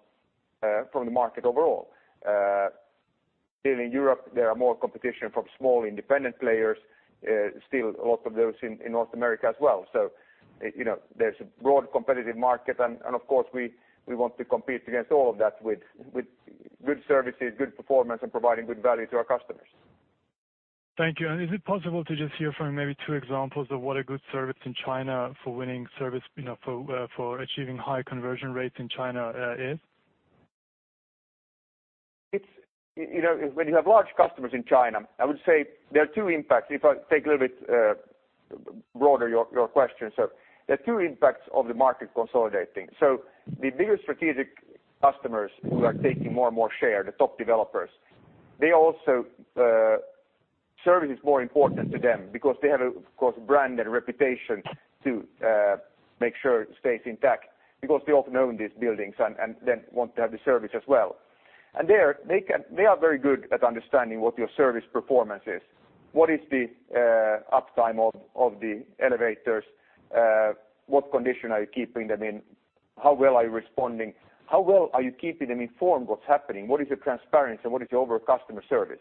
[SPEAKER 2] the market overall. Still in Europe, there are more competition from small independent players, still a lot of those in North America as well. There's a broad competitive market and of course, we want to compete against all of that with good services, good performance, and providing good value to our customers.
[SPEAKER 10] Thank you. Is it possible to just hear from maybe two examples of what a good service in China for winning service for achieving high conversion rates in China is?
[SPEAKER 2] When you have large customers in China, I would say there are two impacts. If I take a little bit broader, your question. There are two impacts of the market consolidating. The bigger strategic customers who are taking more and more share, the top developers, service is more important to them because they have, of course, brand and reputation to make sure it stays intact because they often own these buildings and then want to have the service as well. There, they are very good at understanding what your service performance is. What is the uptime of the elevators? What condition are you keeping them in? How well are you responding? How well are you keeping them informed what's happening? What is your transparency and what is your overall customer service?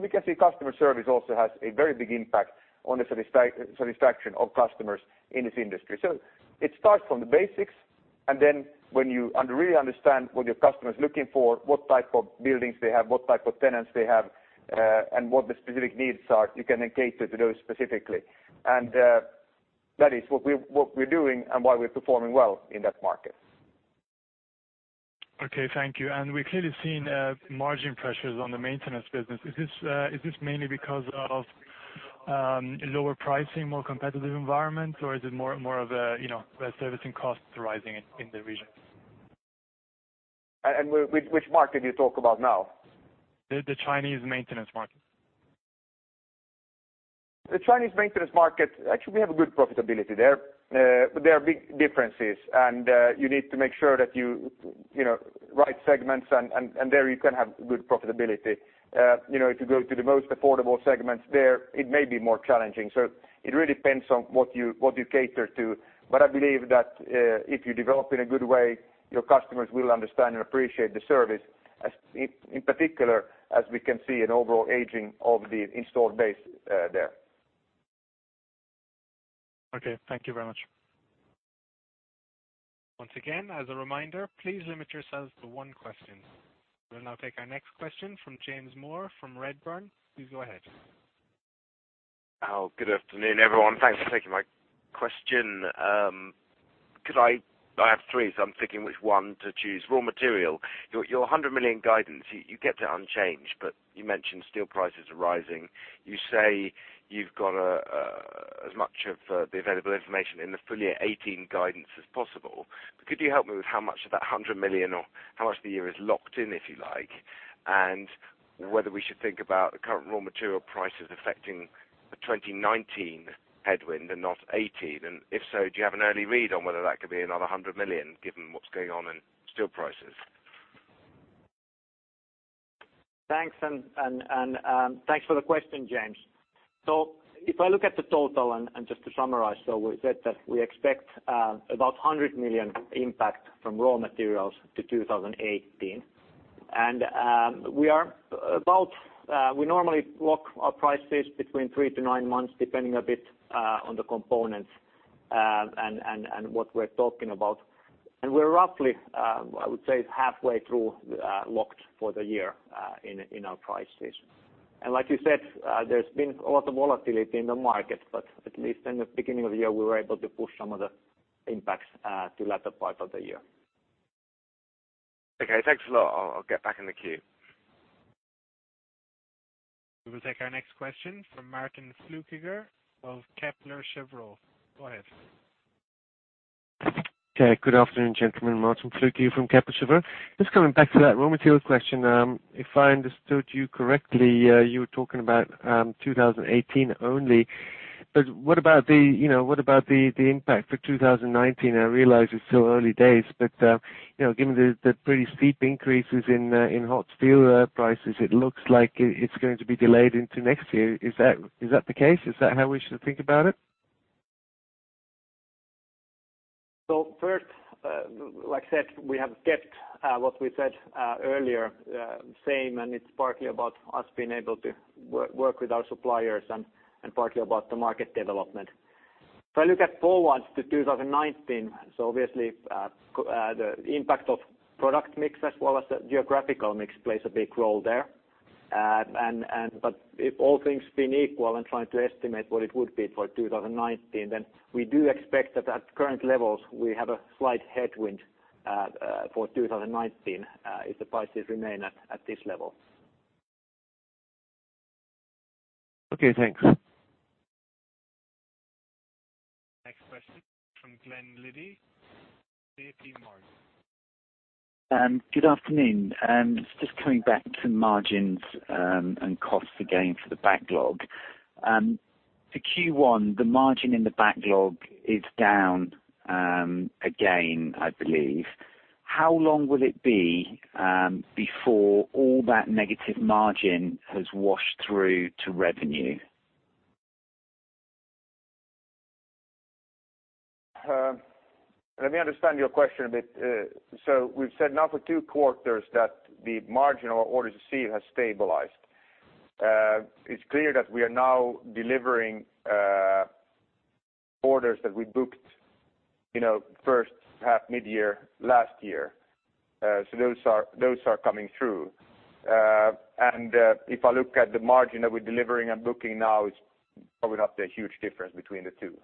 [SPEAKER 2] We can see customer service also has a very big impact on the satisfaction of customers in this industry. It starts from the basics, when you really understand what your customer's looking for, what type of buildings they have, what type of tenants they have, what the specific needs are, you can then cater to those specifically. That is what we're doing and why we're performing well in that market.
[SPEAKER 10] Okay, thank you. We've clearly seen margin pressures on the maintenance business. Is this mainly because of lower pricing, more competitive environment? Or is it more of a servicing costs rising in the regions?
[SPEAKER 2] Which market you talk about now?
[SPEAKER 10] The Chinese maintenance market.
[SPEAKER 2] The Chinese maintenance market, actually, we have a good profitability there. There are big differences, and you need to make sure that you right segments and there you can have good profitability. If you go to the most affordable segments there, it may be more challenging. It really depends on what you cater to. I believe that if you develop in a good way, your customers will understand and appreciate the service, in particular, as we can see an overall aging of the installed base there.
[SPEAKER 10] Okay. Thank you very much.
[SPEAKER 5] Once again, as a reminder, please limit yourselves to one question. We'll now take our next question from James Moore from Redburn. Please go ahead.
[SPEAKER 11] Good afternoon, everyone. Thanks for taking my question. I have three, so I'm thinking which one to choose. Raw material. Your 100 million guidance, you kept it unchanged, but you mentioned steel prices are rising. You say you've got as much of the available information in the full year 2018 guidance as possible, but could you help me with how much of that 100 million or how much of the year is locked in, if you like? Whether we should think about the current raw material prices affecting the 2019 headwind and not 2018? If so, do you have an early read on whether that could be another 100 million given what's going on in steel prices?
[SPEAKER 3] Thanks for the question, James. If I look at the total and just to summarize, we said that we expect about 100 million impact from raw materials to 2018. We normally lock our price between three to nine months, depending a bit on the components and what we're talking about. We're roughly, I would say, halfway through locked for the year in our price. Like you said, there's been a lot of volatility in the market, but at least in the beginning of the year, we were able to push some of the impacts to latter part of the year.
[SPEAKER 11] Okay. Thanks a lot. I'll get back in the queue.
[SPEAKER 5] We will take our next question from Martin Flueckiger of Kepler Cheuvreux. Go ahead.
[SPEAKER 12] Okay, good afternoon, gentlemen. Martin Flueckiger from Kepler Cheuvreux. Just coming back to that raw material question. If I understood you correctly, you were talking about 2018 only. What about the impact for 2019? I realize it's still early days, but given the pretty steep increases in hot steel prices, it looks like it's going to be delayed into next year. Is that the case? Is that how we should think about it?
[SPEAKER 3] First, like I said, we have kept what we said earlier same, it's partly about us being able to work with our suppliers and partly about the market development. If I look at forwards to 2019, obviously, the impact of product mix as well as the geographical mix plays a big role there. If all things being equal and trying to estimate what it would be for 2019, we do expect that at current levels, we have a slight headwind for 2019 if the prices remain at this level.
[SPEAKER 12] Okay, thanks.
[SPEAKER 5] Next question from Glen Liddy, JP Morgan.
[SPEAKER 13] Good afternoon. Just coming back to margins and costs again for the backlog. For Q1, the margin in the backlog is down again, I believe. How long will it be before all that negative margin has washed through to revenue?
[SPEAKER 2] Let me understand your question a bit. We've said now for 2 quarters that the margin on orders received has stabilized. It's clear that we are now delivering orders that we booked first half mid-year last year. Those are coming through. If I look at the margin that we're delivering and booking now, it's probably not a huge difference between the two.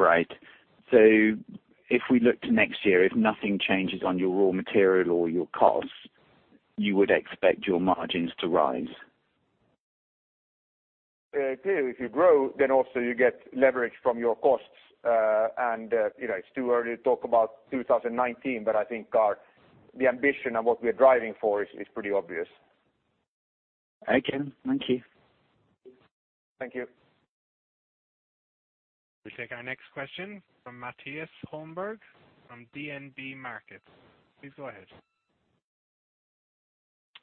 [SPEAKER 13] Right. If we look to next year, if nothing changes on your raw material or your costs, you would expect your margins to rise.
[SPEAKER 2] Clearly, if you grow, also you get leverage from your costs. It's too early to talk about 2019, but I think the ambition and what we are driving for is pretty obvious.
[SPEAKER 13] Okay. Thank you.
[SPEAKER 2] Thank you.
[SPEAKER 5] We take our next question from Mattias Holmberg, from DNB Markets. Please go ahead.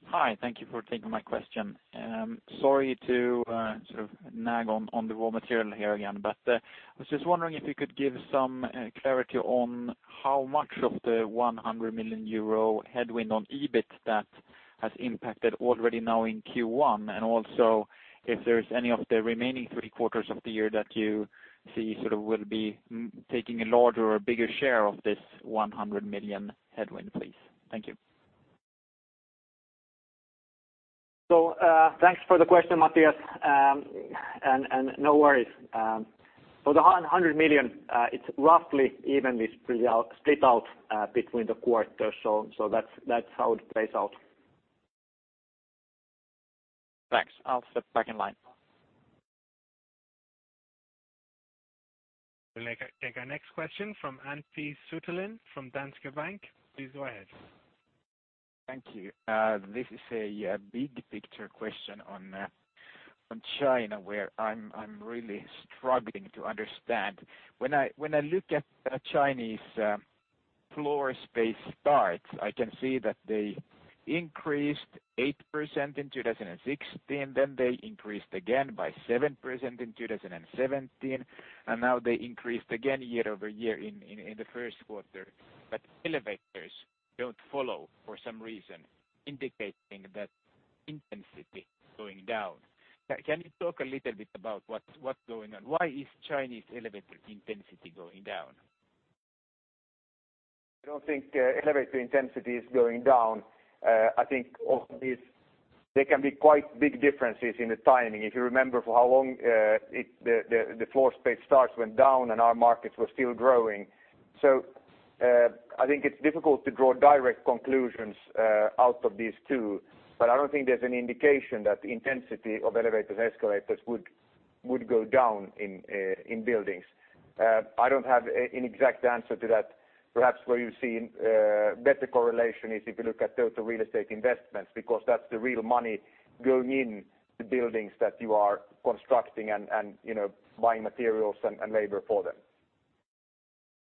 [SPEAKER 14] Hi. Thank you for taking my question. Sorry to sort of nag on the raw material here again, I was just wondering if you could give some clarity on how much of the 100 million euro headwind on EBIT that has impacted already now in Q1, if there's any of the remaining three quarters of the year that you see sort of will be taking a larger or bigger share of this 100 million headwind, please. Thank you.
[SPEAKER 3] Thanks for the question, Mattias. No worries. The 100 million, it's roughly evenly split out between the quarters. That's how it plays out.
[SPEAKER 14] Thanks. I'll step back in line.
[SPEAKER 5] We'll take our next question from Antti Sutelin from Danske Bank. Please go ahead.
[SPEAKER 15] Thank you. This is a big picture question on China, where I'm really struggling to understand. When I look at Chinese floor space starts, I can see that they increased 8% in 2016, they increased again by 7% in 2017, and now they increased again year-over-year in the first quarter. Elevators don't follow for some reason, indicating that intensity is going down. Can you talk a little bit about what's going on? Why is Chinese elevator intensity going down?
[SPEAKER 2] I don't think elevator intensity is going down. I think there can be quite big differences in the timing. If you remember for how long the floor space starts went down and our markets were still growing. I think it's difficult to draw direct conclusions out of these two. I don't think there's any indication that the intensity of elevators and escalators would go down in buildings. I don't have an exact answer to that. Perhaps where you're seeing better correlation is if you look at total real estate investments, because that's the real money going in the buildings that you are constructing and buying materials and labor for them.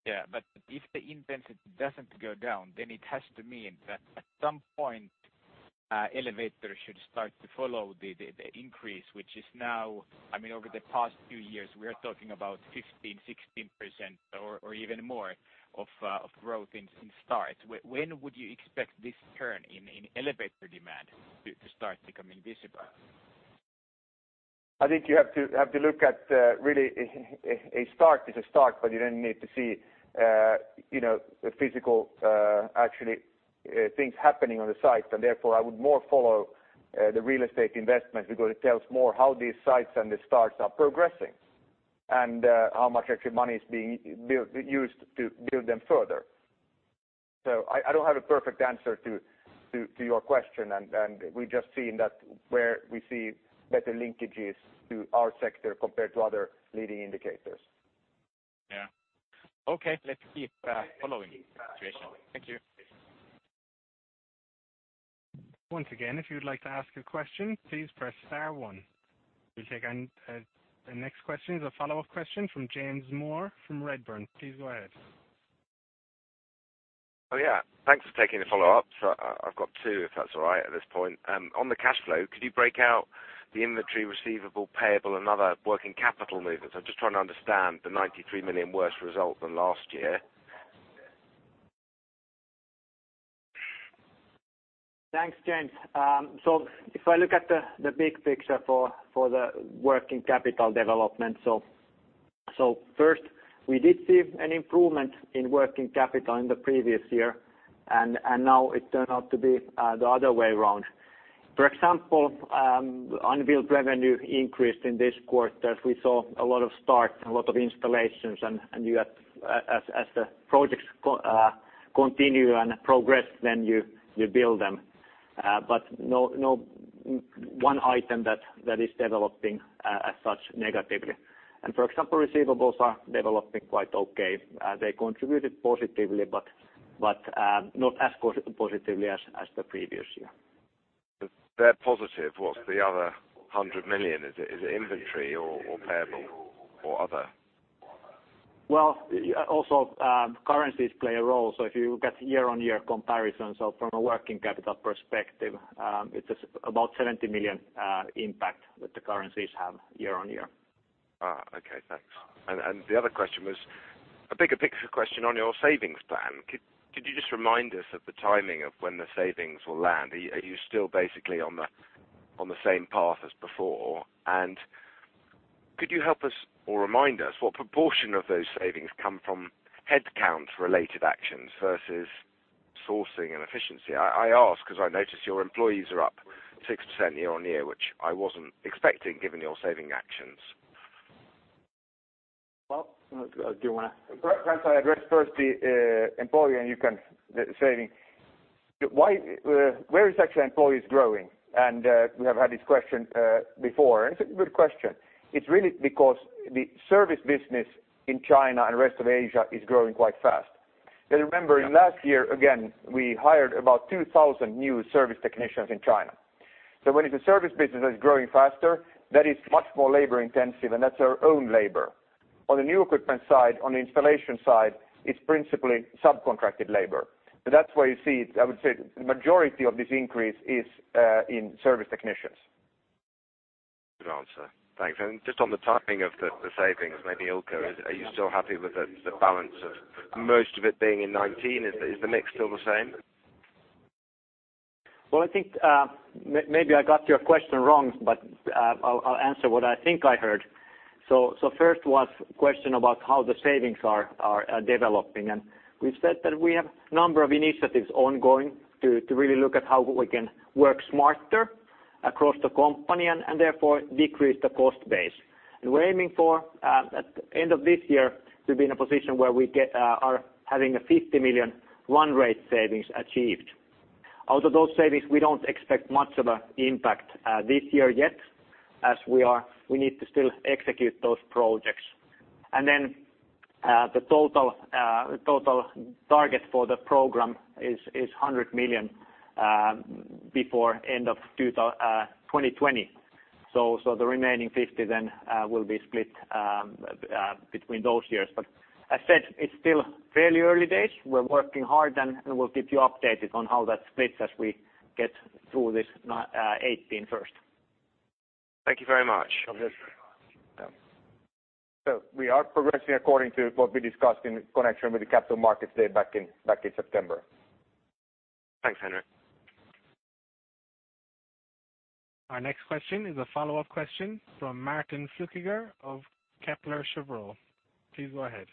[SPEAKER 15] Yeah, if the intensity doesn't go down, then it has to mean that at some point, elevators should start to follow the increase, which is now. I mean, over the past few years, we are talking about 15%, 16% or even more of growth in starts. When would you expect this turn in elevator demand to start becoming visible?
[SPEAKER 2] I think you have to look at really a start is a start, you then need to see physical actually things happening on the site. Therefore I would more follow the real estate investment because it tells more how these sites and the starts are progressing. How much extra money is being used to build them further. I don't have a perfect answer to your question, and we're just seeing that where we see better linkages to our sector compared to other leading indicators.
[SPEAKER 15] Yeah. Okay. Let's keep following the situation. Thank you.
[SPEAKER 5] Once again, if you would like to ask a question, please press star one. We'll take the next question as a follow-up question from James Moore from Redburn. Please go ahead.
[SPEAKER 11] Thanks for taking the follow-up. I've got two, if that's all right at this point. On the cash flow, could you break out the inventory receivable, payable, and other working capital movements? I'm just trying to understand the 93 million worse result than last year.
[SPEAKER 3] Thanks, James. If I look at the big picture for the working capital development. First we did see an improvement in working capital in the previous year, and now it turned out to be the other way around. For example, unbilled revenue increased in this quarter as we saw a lot of starts and a lot of installations, and as the projects continue and progress, then you bill them. No one item that is developing as such negatively. For example, receivables are developing quite okay. They contributed positively, but not as positively as the previous year.
[SPEAKER 11] They're positive. What's the other 100 million? Is it inventory or payable or other?
[SPEAKER 3] Also currencies play a role. If you look at year-on-year comparisons from a working capital perspective, it's about 70 million impact that the currencies have year-on-year.
[SPEAKER 11] Okay, thanks. The other question was a bigger picture question on your savings plan. Could you just remind us of the timing of when the savings will land? Are you still basically on the same path as before? Could you help us or remind us what proportion of those savings come from headcount related actions versus sourcing and efficiency? I ask because I noticed your employees are up 6% year-on-year, which I wasn't expecting given your saving actions.
[SPEAKER 3] Well, do you want to
[SPEAKER 2] Ilkka, I address first the employee and you can the saving. Where is actually employees growing? We have had this question before, and it's a good question. It's really because the service business in China and rest of Asia is growing quite fast. Remember in last year, again, we hired about 2,000 new service technicians in China. When it's a service business that is growing faster, that is much more labor-intensive and that's our own labor. On the new equipment side, on the installation side, it's principally subcontracted labor. That's why you see, I would say the majority of this increase is in service technicians.
[SPEAKER 11] Good answer. Thanks. Just on the timing of the savings, maybe Ilkka, are you still happy with the balance of most of it being in 2019? Is the mix still the same?
[SPEAKER 3] Well, I think, maybe I got your question wrong, but I'll answer what I think I heard. first was question about how the savings are developing. we've said that we have number of initiatives ongoing to really look at how we can work smarter across the company and therefore decrease the cost base. we're aiming for, at the end of this year, to be in a position where we are having a 50 million run rate savings achieved. Out of those savings, we don't expect much of a impact this year yet as we need to still execute those projects. the total target for the program is 100 million before end of 2020. the remaining 50 then will be split between those years. as said, it's still fairly early days. We're working hard and we'll keep you updated on how that splits as we get through this 2018 first.
[SPEAKER 11] Thank you very much.
[SPEAKER 2] we are progressing according to what we discussed in connection with the capital markets day back in September.
[SPEAKER 11] Thanks, Henrik.
[SPEAKER 5] Our next question is a follow-up question from Martin Flueckiger of Kepler Cheuvreux. Please go ahead.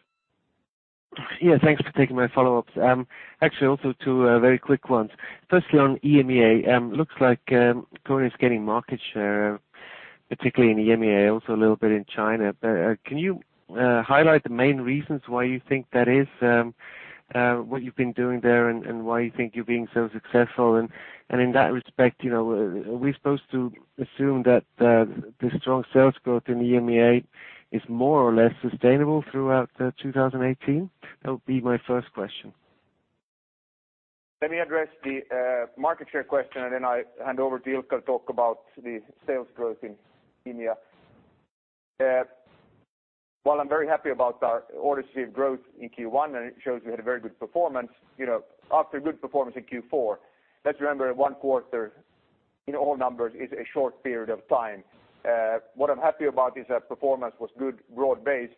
[SPEAKER 12] Yeah, thanks for taking my follow-ups. Actually, also two very quick ones. Firstly, on EMEA, looks like KONE is gaining market share, particularly in EMEA, also a little bit in China. Can you highlight the main reasons why you think that is, what you've been doing there and why you think you're being so successful? In that respect, are we supposed to assume that the strong sales growth in EMEA is more or less sustainable throughout 2018? That would be my first question.
[SPEAKER 2] Let me address the market share question and then I hand over to Ilkka to talk about the sales growth in EMEA. While I'm very happy about our orders received growth in Q1, and it shows we had a very good performance. After a good performance in Q4, let's remember one quarter in all numbers is a short period of time. What I'm happy about is that performance was good, broad-based.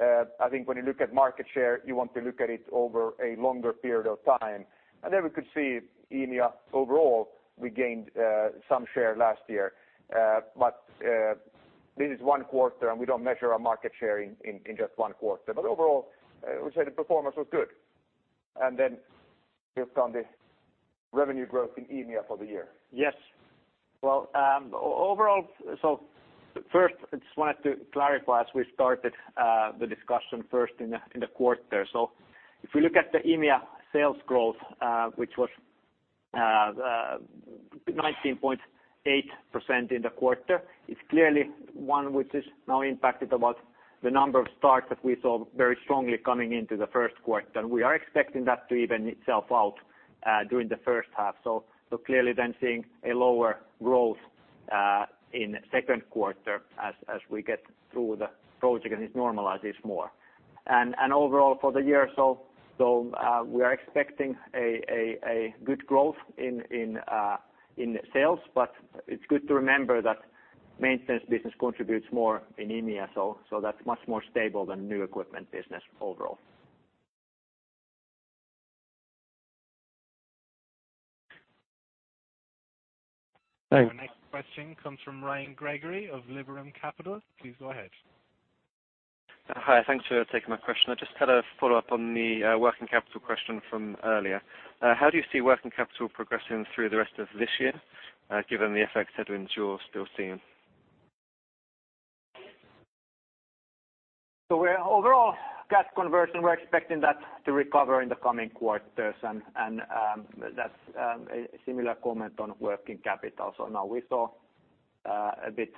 [SPEAKER 2] I think when you look at market share, you want to look at it over a longer period of time. We could see EMEA overall, we gained some share last year. This is one quarter and we don't measure our market share in just one quarter. Overall, I would say the performance was good. Ilkka on the revenue growth in EMEA for the year.
[SPEAKER 3] Yes. Well, first I just wanted to clarify as we started the discussion in the quarter. If we look at the EMEA sales growth, which was 19.8% in the quarter, it is clearly one which is now impacted about the number of starts that we saw very strongly coming into the first quarter. We are expecting that to even itself out during the first half. Clearly seeing a lower growth in second quarter as we get through the project and it normalizes more. Overall for the year or so, we are expecting a good growth in sales, but it is good to remember that maintenance business contributes more in EMEA, so that is much more stable than new equipment business overall.
[SPEAKER 12] Thanks.
[SPEAKER 5] Our next question comes from Ryan Gregory of Liberum Capital. Please go ahead.
[SPEAKER 16] Hi, thanks for taking my question. I just had a follow-up on the working capital question from earlier. How do you see working capital progressing through the rest of this year given the FX headwinds you are still seeing?
[SPEAKER 3] Overall cash conversion, we are expecting that to recover in the coming quarters and that is a similar comment on working capital. Now we saw a bit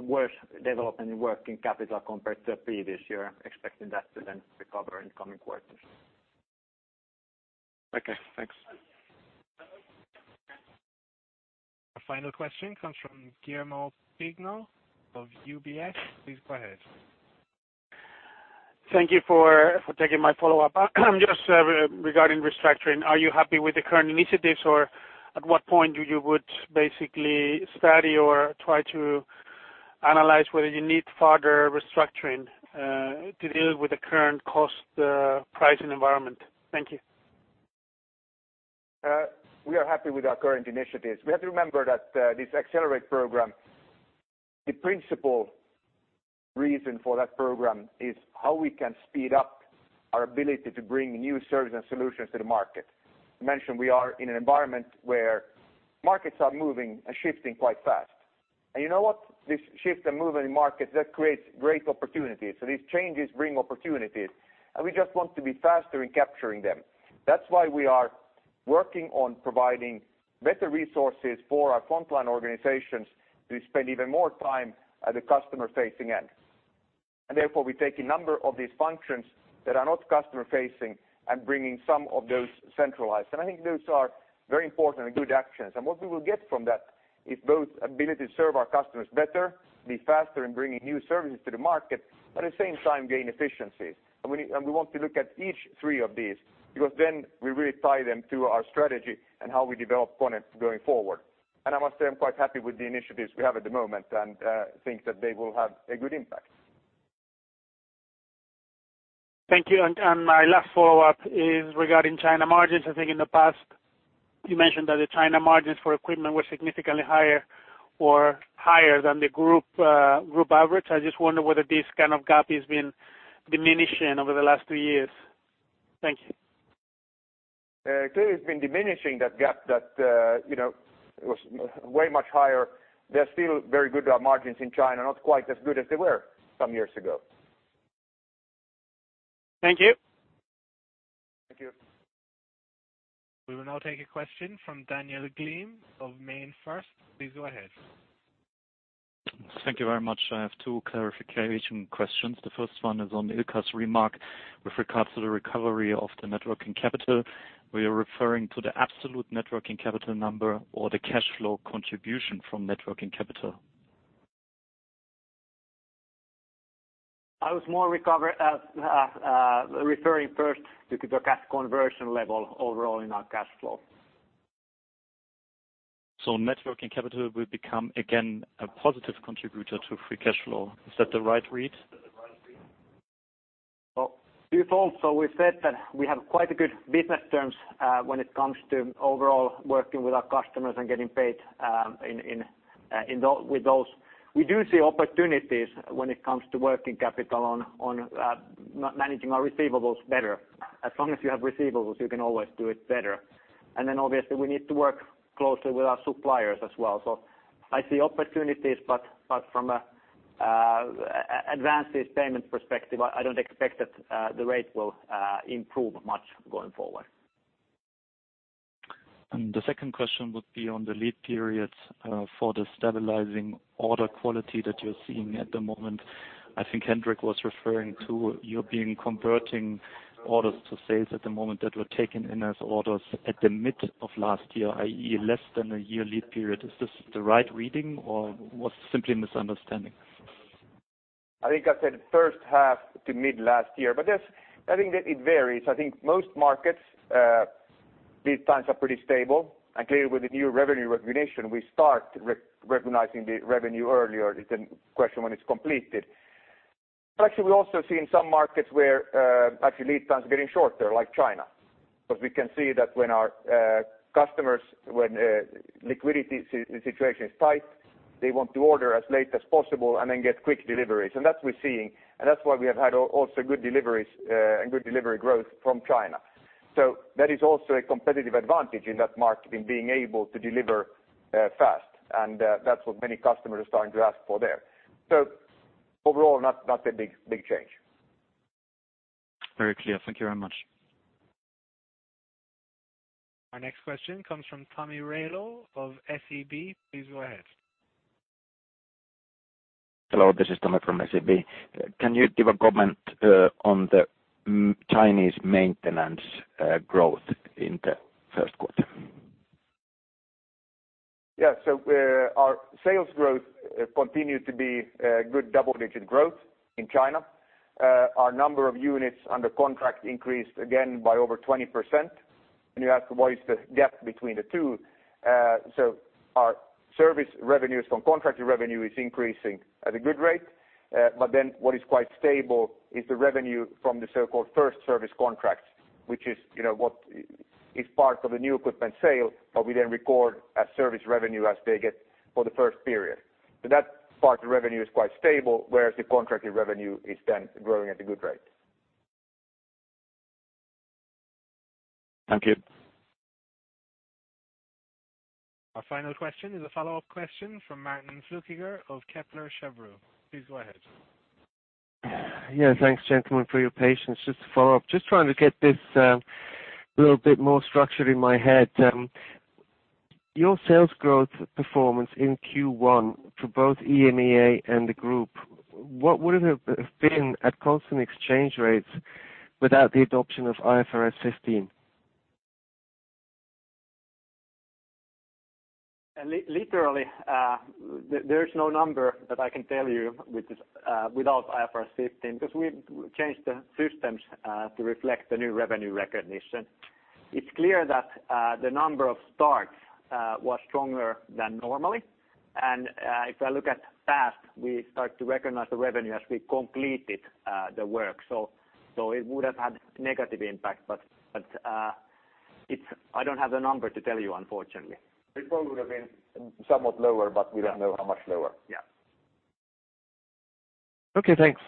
[SPEAKER 3] worse development in working capital compared to the previous year, expecting that to recover in coming quarters.
[SPEAKER 16] Okay, thanks.
[SPEAKER 5] Our final question comes from Guillermo Peigneux of UBS. Please go ahead.
[SPEAKER 6] Thank you for taking my follow-up. Just regarding restructuring, are you happy with the current initiatives? Or at what point you would basically study or try to analyze whether you need further restructuring to deal with the current cost pricing environment? Thank you.
[SPEAKER 2] We are happy with our current initiatives. We have to remember that this Accelerate program, the principal reason for that program is how we can speed up our ability to bring new services and solutions to the market. I mentioned we are in an environment where markets are moving and shifting quite fast. You know what? This shift and move in markets, that creates great opportunities. These changes bring opportunities, and we just want to be faster in capturing them. That's why we are working on providing better resources for our frontline organizations to spend even more time at the customer-facing end. Therefore, we take a number of these functions that are not customer-facing and bringing some of those centralized. I think those are very important and good actions. What we will get from that is both ability to serve our customers better, be faster in bringing new services to the market, at the same time gain efficiencies. We want to look at each three of these, because then we really tie them to our strategy and how we develop KONE going forward. I must say, I'm quite happy with the initiatives we have at the moment and think that they will have a good impact.
[SPEAKER 6] Thank you. My last follow-up is regarding China margins. I think in the past, you mentioned that the China margins for equipment were significantly higher or higher than the group average. I just wonder whether this kind of gap has been diminishing over the last two years. Thank you.
[SPEAKER 2] Clearly, it's been diminishing, that gap that was way much higher. They're still very good margins in China, not quite as good as they were some years ago.
[SPEAKER 6] Thank you.
[SPEAKER 2] Thank you.
[SPEAKER 5] We will now take a question from Daniel Gleim of MainFirst. Please go ahead.
[SPEAKER 17] Thank you very much. I have two clarification questions. The first one is on Ilkka's remark with regards to the recovery of the net working capital. Were you referring to the absolute net working capital number or the cash flow contribution from net working capital?
[SPEAKER 3] I was more referring first to the cash conversion level overall in our cash flow.
[SPEAKER 17] Net working capital will become again a positive contributor to free cash flow. Is that the right read?
[SPEAKER 3] Well, default, we've said that we have quite good business terms when it comes to overall working with our customers and getting paid with those. We do see opportunities when it comes to working capital on managing our receivables better. As long as you have receivables, you can always do it better. Obviously, we need to work closely with our suppliers as well. I see opportunities, but from an advances payment perspective, I don't expect that the rate will improve much going forward.
[SPEAKER 17] The second question would be on the lead periods for the stabilizing order quality that you're seeing at the moment. I think Henrik was referring to your being converting orders to sales at the moment that were taken in as orders at the mid of last year, i.e., less than a year lead period. Is this the right reading, or was it simply misunderstanding?
[SPEAKER 2] I think I said first half to mid last year. Yes, I think that it varies. I think most markets, lead times are pretty stable. Clearly, with the new revenue recognition, we start recognizing the revenue earlier. It's a question when it's completed. Actually, we also see in some markets where actually lead time's getting shorter, like China. We can see that when our customers, when liquidity situation is tight, they want to order as late as possible and then get quick deliveries. That we're seeing, and that's why we have had also good deliveries and good delivery growth from China. That is also a competitive advantage in that market, in being able to deliver fast. That's what many customers are starting to ask for there. Overall, not a big change.
[SPEAKER 17] Very clear. Thank you very much.
[SPEAKER 5] Our next question comes from Tomi Railo of SEB. Please go ahead.
[SPEAKER 18] Hello, this is Tomi from SEB. Can you give a comment on the Chinese maintenance growth in the first quarter?
[SPEAKER 2] Yeah. Our sales growth continued to be good double-digit growth in China. Our number of units under contract increased again by over 20%. You ask what is the gap between the two. Our service revenues from contracted revenue is increasing at a good rate. What is quite stable is the revenue from the so-called first service contract, which is part of the new equipment sale, but we then record as service revenue as they get for the first period. That part of the revenue is quite stable, whereas the contracted revenue is then growing at a good rate.
[SPEAKER 18] Thank you.
[SPEAKER 5] Our final question is a follow-up question from Martin Flueckiger of Kepler Cheuvreux. Please go ahead.
[SPEAKER 12] Yeah, thanks gentlemen, for your patience. Just to follow up, just trying to get this a little bit more structured in my head. Your sales growth performance in Q1 for both EMEA and the group, what would have been at constant exchange rates without the adoption of IFRS 15?
[SPEAKER 3] Literally, there's no number that I can tell you without IFRS 15, because we changed the systems to reflect the new revenue recognition. It's clear that the number of starts was stronger than normally, and if I look at the past, we start to recognize the revenue as we completed the work. It would have had a negative impact, but I don't have the number to tell you, unfortunately.
[SPEAKER 2] It probably would've been somewhat lower, but we don't know how much lower.
[SPEAKER 3] Yeah.
[SPEAKER 12] Okay, thanks.